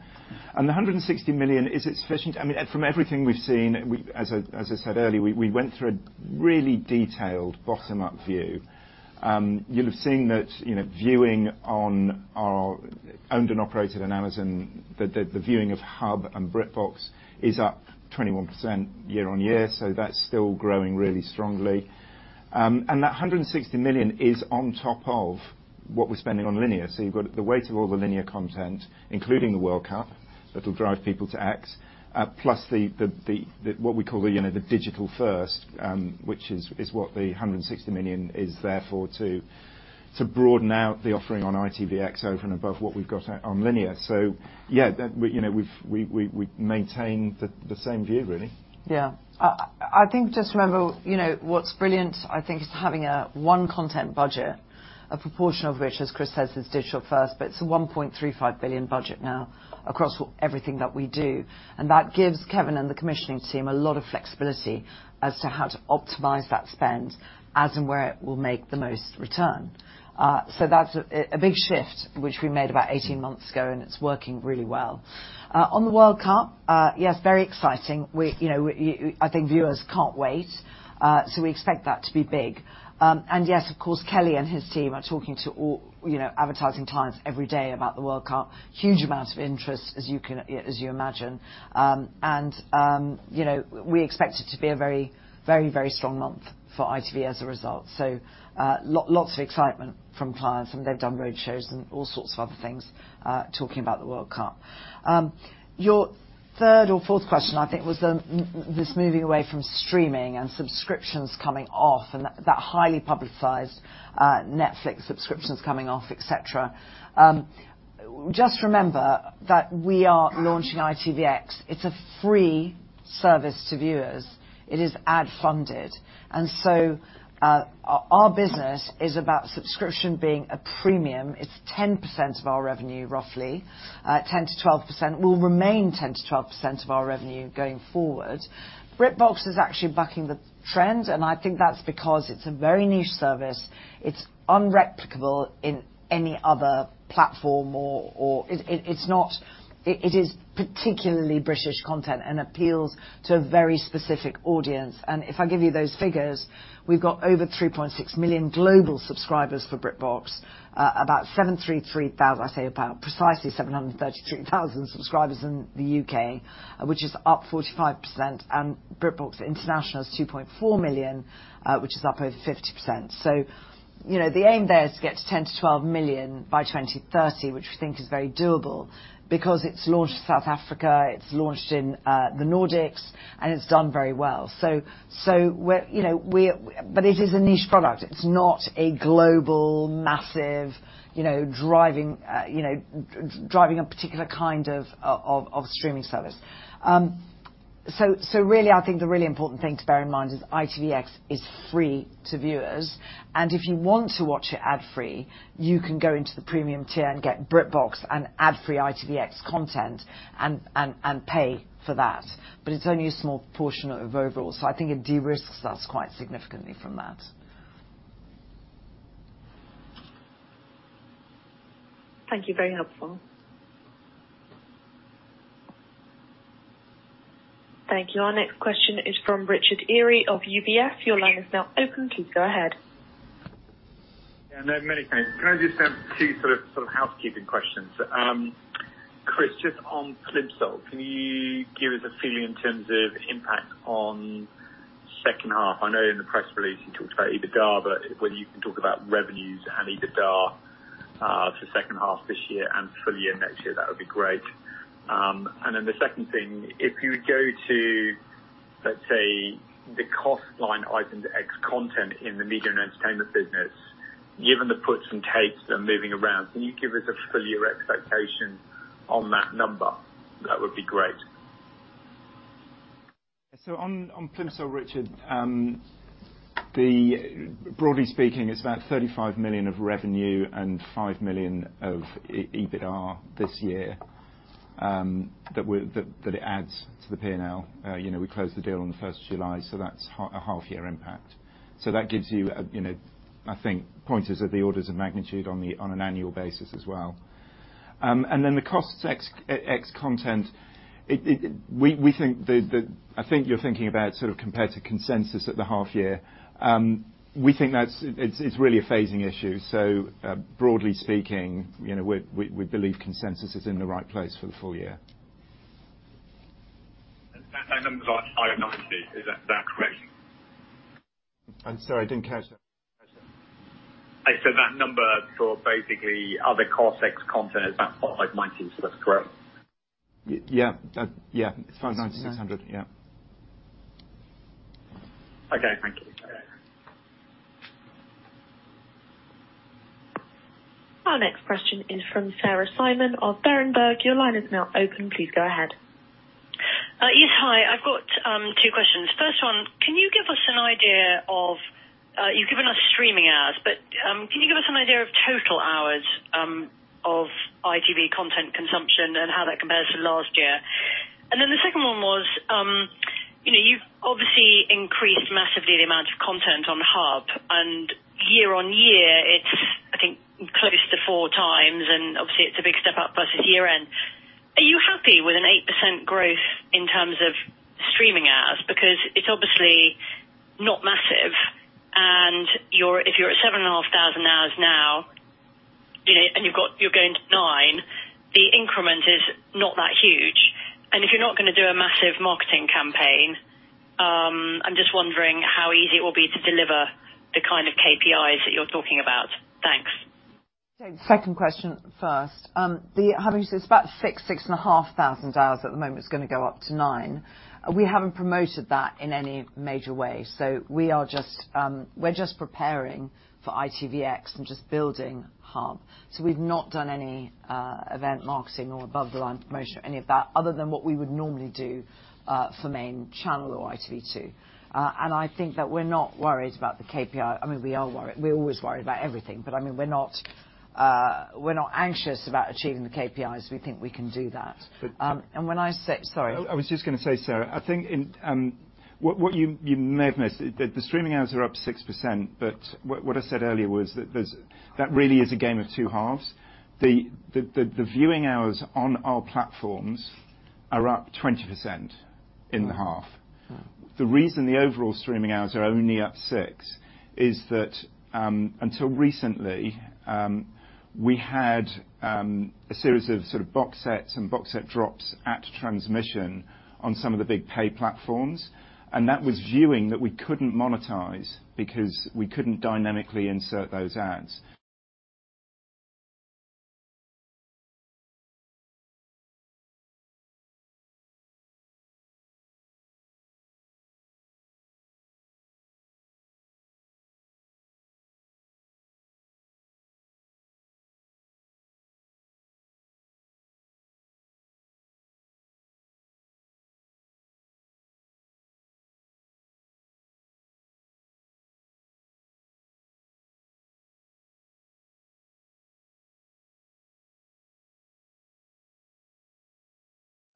The hundred and sixty million, is it sufficient? I mean, from everything we've seen, as I said earlier, we went through a really detailed bottom-up view. You'll have seen that, you know, viewing on our owned and operated on Amazon, the viewing of Hub and BritBox is up 21% year-on-year, so that's still growing really strongly. And that hundred and sixty million is on top of what we're spending on linear. You've got the weight of all the linear content, including the World Cup, that will drive people to ITVX, plus the what we call the digital first, which is what the 160 million is therefore to broaden out the offering on ITVX over and above what we've got on linear. Yeah, you know, we maintain the same view, really. I think just remember, you know, what's brilliant, I think, is having a one content budget, a proportion of which, as Chris says, is digital first, but it's a 1.35 billion budget now across everything that we do. That gives Kevin and the commissioning team a lot of flexibility as to how to optimize that spend as and where it will make the most return. So that's a big shift which we made about 18 months ago, and it's working really well. On the World Cup, yes, very exciting. We, you know, I think viewers can't wait, so we expect that to be big. Yes, of course, Kelly and his team are talking to all, you know, advertising clients every day about the World Cup. Huge amount of interest as you can imagine. You know, we expect it to be a very strong month for ITV as a result. Lots of excitement from clients, and they've done roadshows and all sorts of other things, talking about the World Cup. Your third or fourth question, I think, was this moving away from streaming and subscriptions coming off and that highly publicized Netflix subscriptions coming off, et cetera. Just remember that we are launching ITVX. It's a free service to viewers. It is ad funded. Our business is about subscription being a premium. It's 10% of our revenue, roughly, 10%-12%. Will remain 10%-12% of our revenue going forward. BritBox is actually bucking the trend, and I think that's because it's a very niche service. It's unreplicable in any other platform or. It is particularly British content and appeals to a very specific audience. If I give you those figures, we've got over 3.6 million global subscribers for BritBox. Precisely 733,000 subscribers in the UK, which is up 45%. BritBox International is 2.4 million, which is up over 50%. You know, the aim there is to get to 10-12 million by 2030, which we think is very doable because it's launched in South Africa, it's launched in the Nordics, and it's done very well. It is a niche product. It's not a global, massive, you know, driving a particular kind of streaming service. Really, I think the really important thing to bear in mind is ITVX is free to viewers, and if you want to watch it ad-free, you can go into the premium tier and get BritBox and ad-free ITVX content and pay for that. It's only a small portion of overall. I think it de-risks us quite significantly from that. Thank you. Very helpful. Thank you. Our next question is from Richard Eary of UBS. Your line is now open. Please go ahead. Yeah. No, many thanks. Can I just ask two sort of housekeeping questions? Chris, just on Plimsoll, can you give us a feeling in terms of impact on second half? I know in the press release you talked about EBITDA, but whether you can talk about revenues and EBITDA for second half this year and full year next year, that would be great. The second thing, if you go to, let's say, the cost line item ex content in the media and entertainment business, given the puts and takes that are moving around, can you give us a full year expectation on that number? That would be great. On Plimsoll, Richard, broadly speaking, it's about 35 million of revenue and 5 million of EBITDA this year, that it adds to the P&L. You know, we closed the deal on the first of July, so that's half year impact. That gives you know, I think pointers of the orders of magnitude on an annual basis as well. And then the costs ex content. We think the, I think you're thinking about sort of compared to consensus at the half year. We think that's really a phasing issue. Broadly speaking, you know, we believe consensus is in the right place for the full year. That number's R590. Is that correct? I'm sorry, I didn't catch that. I said that number for basically other cost ex-content, is that GBP 59,600? Yeah. That's yeah. 59,600. Yeah. Okay, thank you. Our next question is from Sarah Simon of Berenberg. Your line is now open. Please go ahead. Yes. Hi. I've got two mquestions. First one, can you give us an idea of, you've given us streaming hours, but, can you give us an idea of total hours of ITV content consumption and how that compares to last year? The second one was, you know, you've obviously increased massively the amount of content on Hub, and year-on-year it's, I think, close to 4x, and obviously it's a big step up versus year-end. Are you happy with an 8% growth in terms of streaming hours? Because it's obviously not massive, and if you're at 7,500 hours now, you know, and you're going to nine, the increment is not that huge. If you're not gonna do a massive marketing campaign, I'm just wondering how easy it will be to deliver the kind of KPIs that you're talking about. Thanks. Second question first. It's about 6-6.5 thousand hours at the moment. It's gonna go up to 9. We haven't promoted that in any major way. We are just preparing for ITVX and just building Hub. We've not done any event marketing or above the line promotion or any of that, other than what we would normally do for main channel or ITV2. I think that we're not worried about the KPI. I mean, we are worried. We're always worried about everything, but I mean, we're not anxious about achieving the KPIs. We think we can do that. But, um- Sorry. I was just gonna say, Sarah, I think in what you may have missed, the streaming hours are up 6%, but what I said earlier was that there's that really is a game of two halves. The viewing hours on our platforms are up 20% in the half. Wow. Wow. The reason the overall streaming hours are only up 6% is that, until recently, we had a series of sort of box sets and box set drops at transmission on some of the big pay platforms, and that was viewing that we couldn't monetize because we couldn't dynamically insert those ads.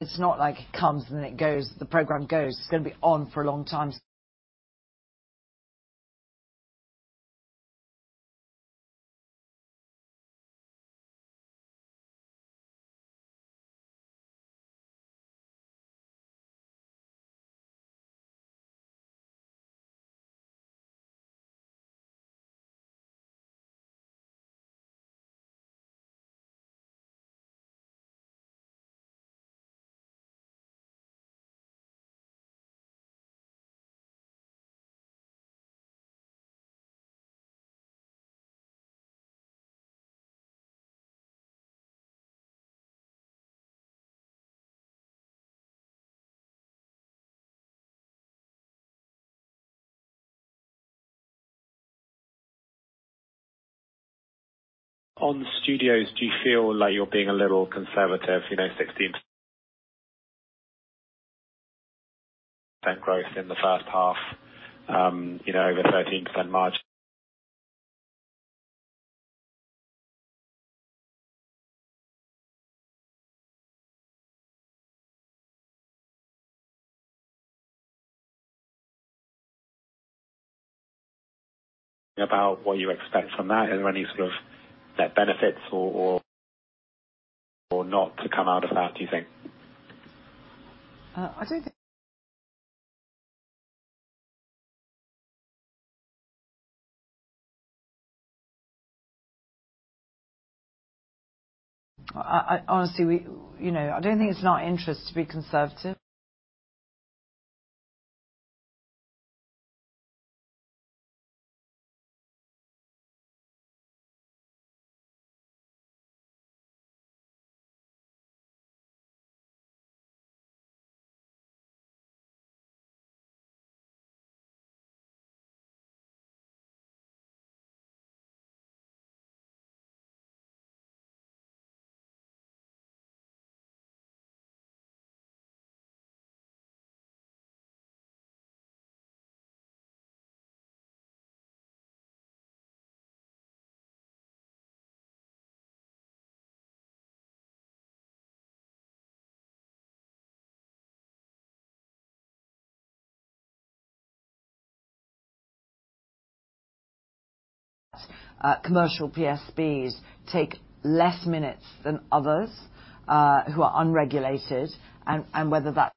It's not like it comes and then it goes, the program goes. It's gonna be on for a long time. On studios, do you feel like you're being a little conservative, you know, 16% growth in the first half, you know, over 13% margin. About what you expect from that. Is there any sort of net benefits or not to come out of that, do you think? Honestly, we, you know, I don't think it's in our interest to be conservative. That commercial PSBs take less minutes than others, who are unregulated and whether that's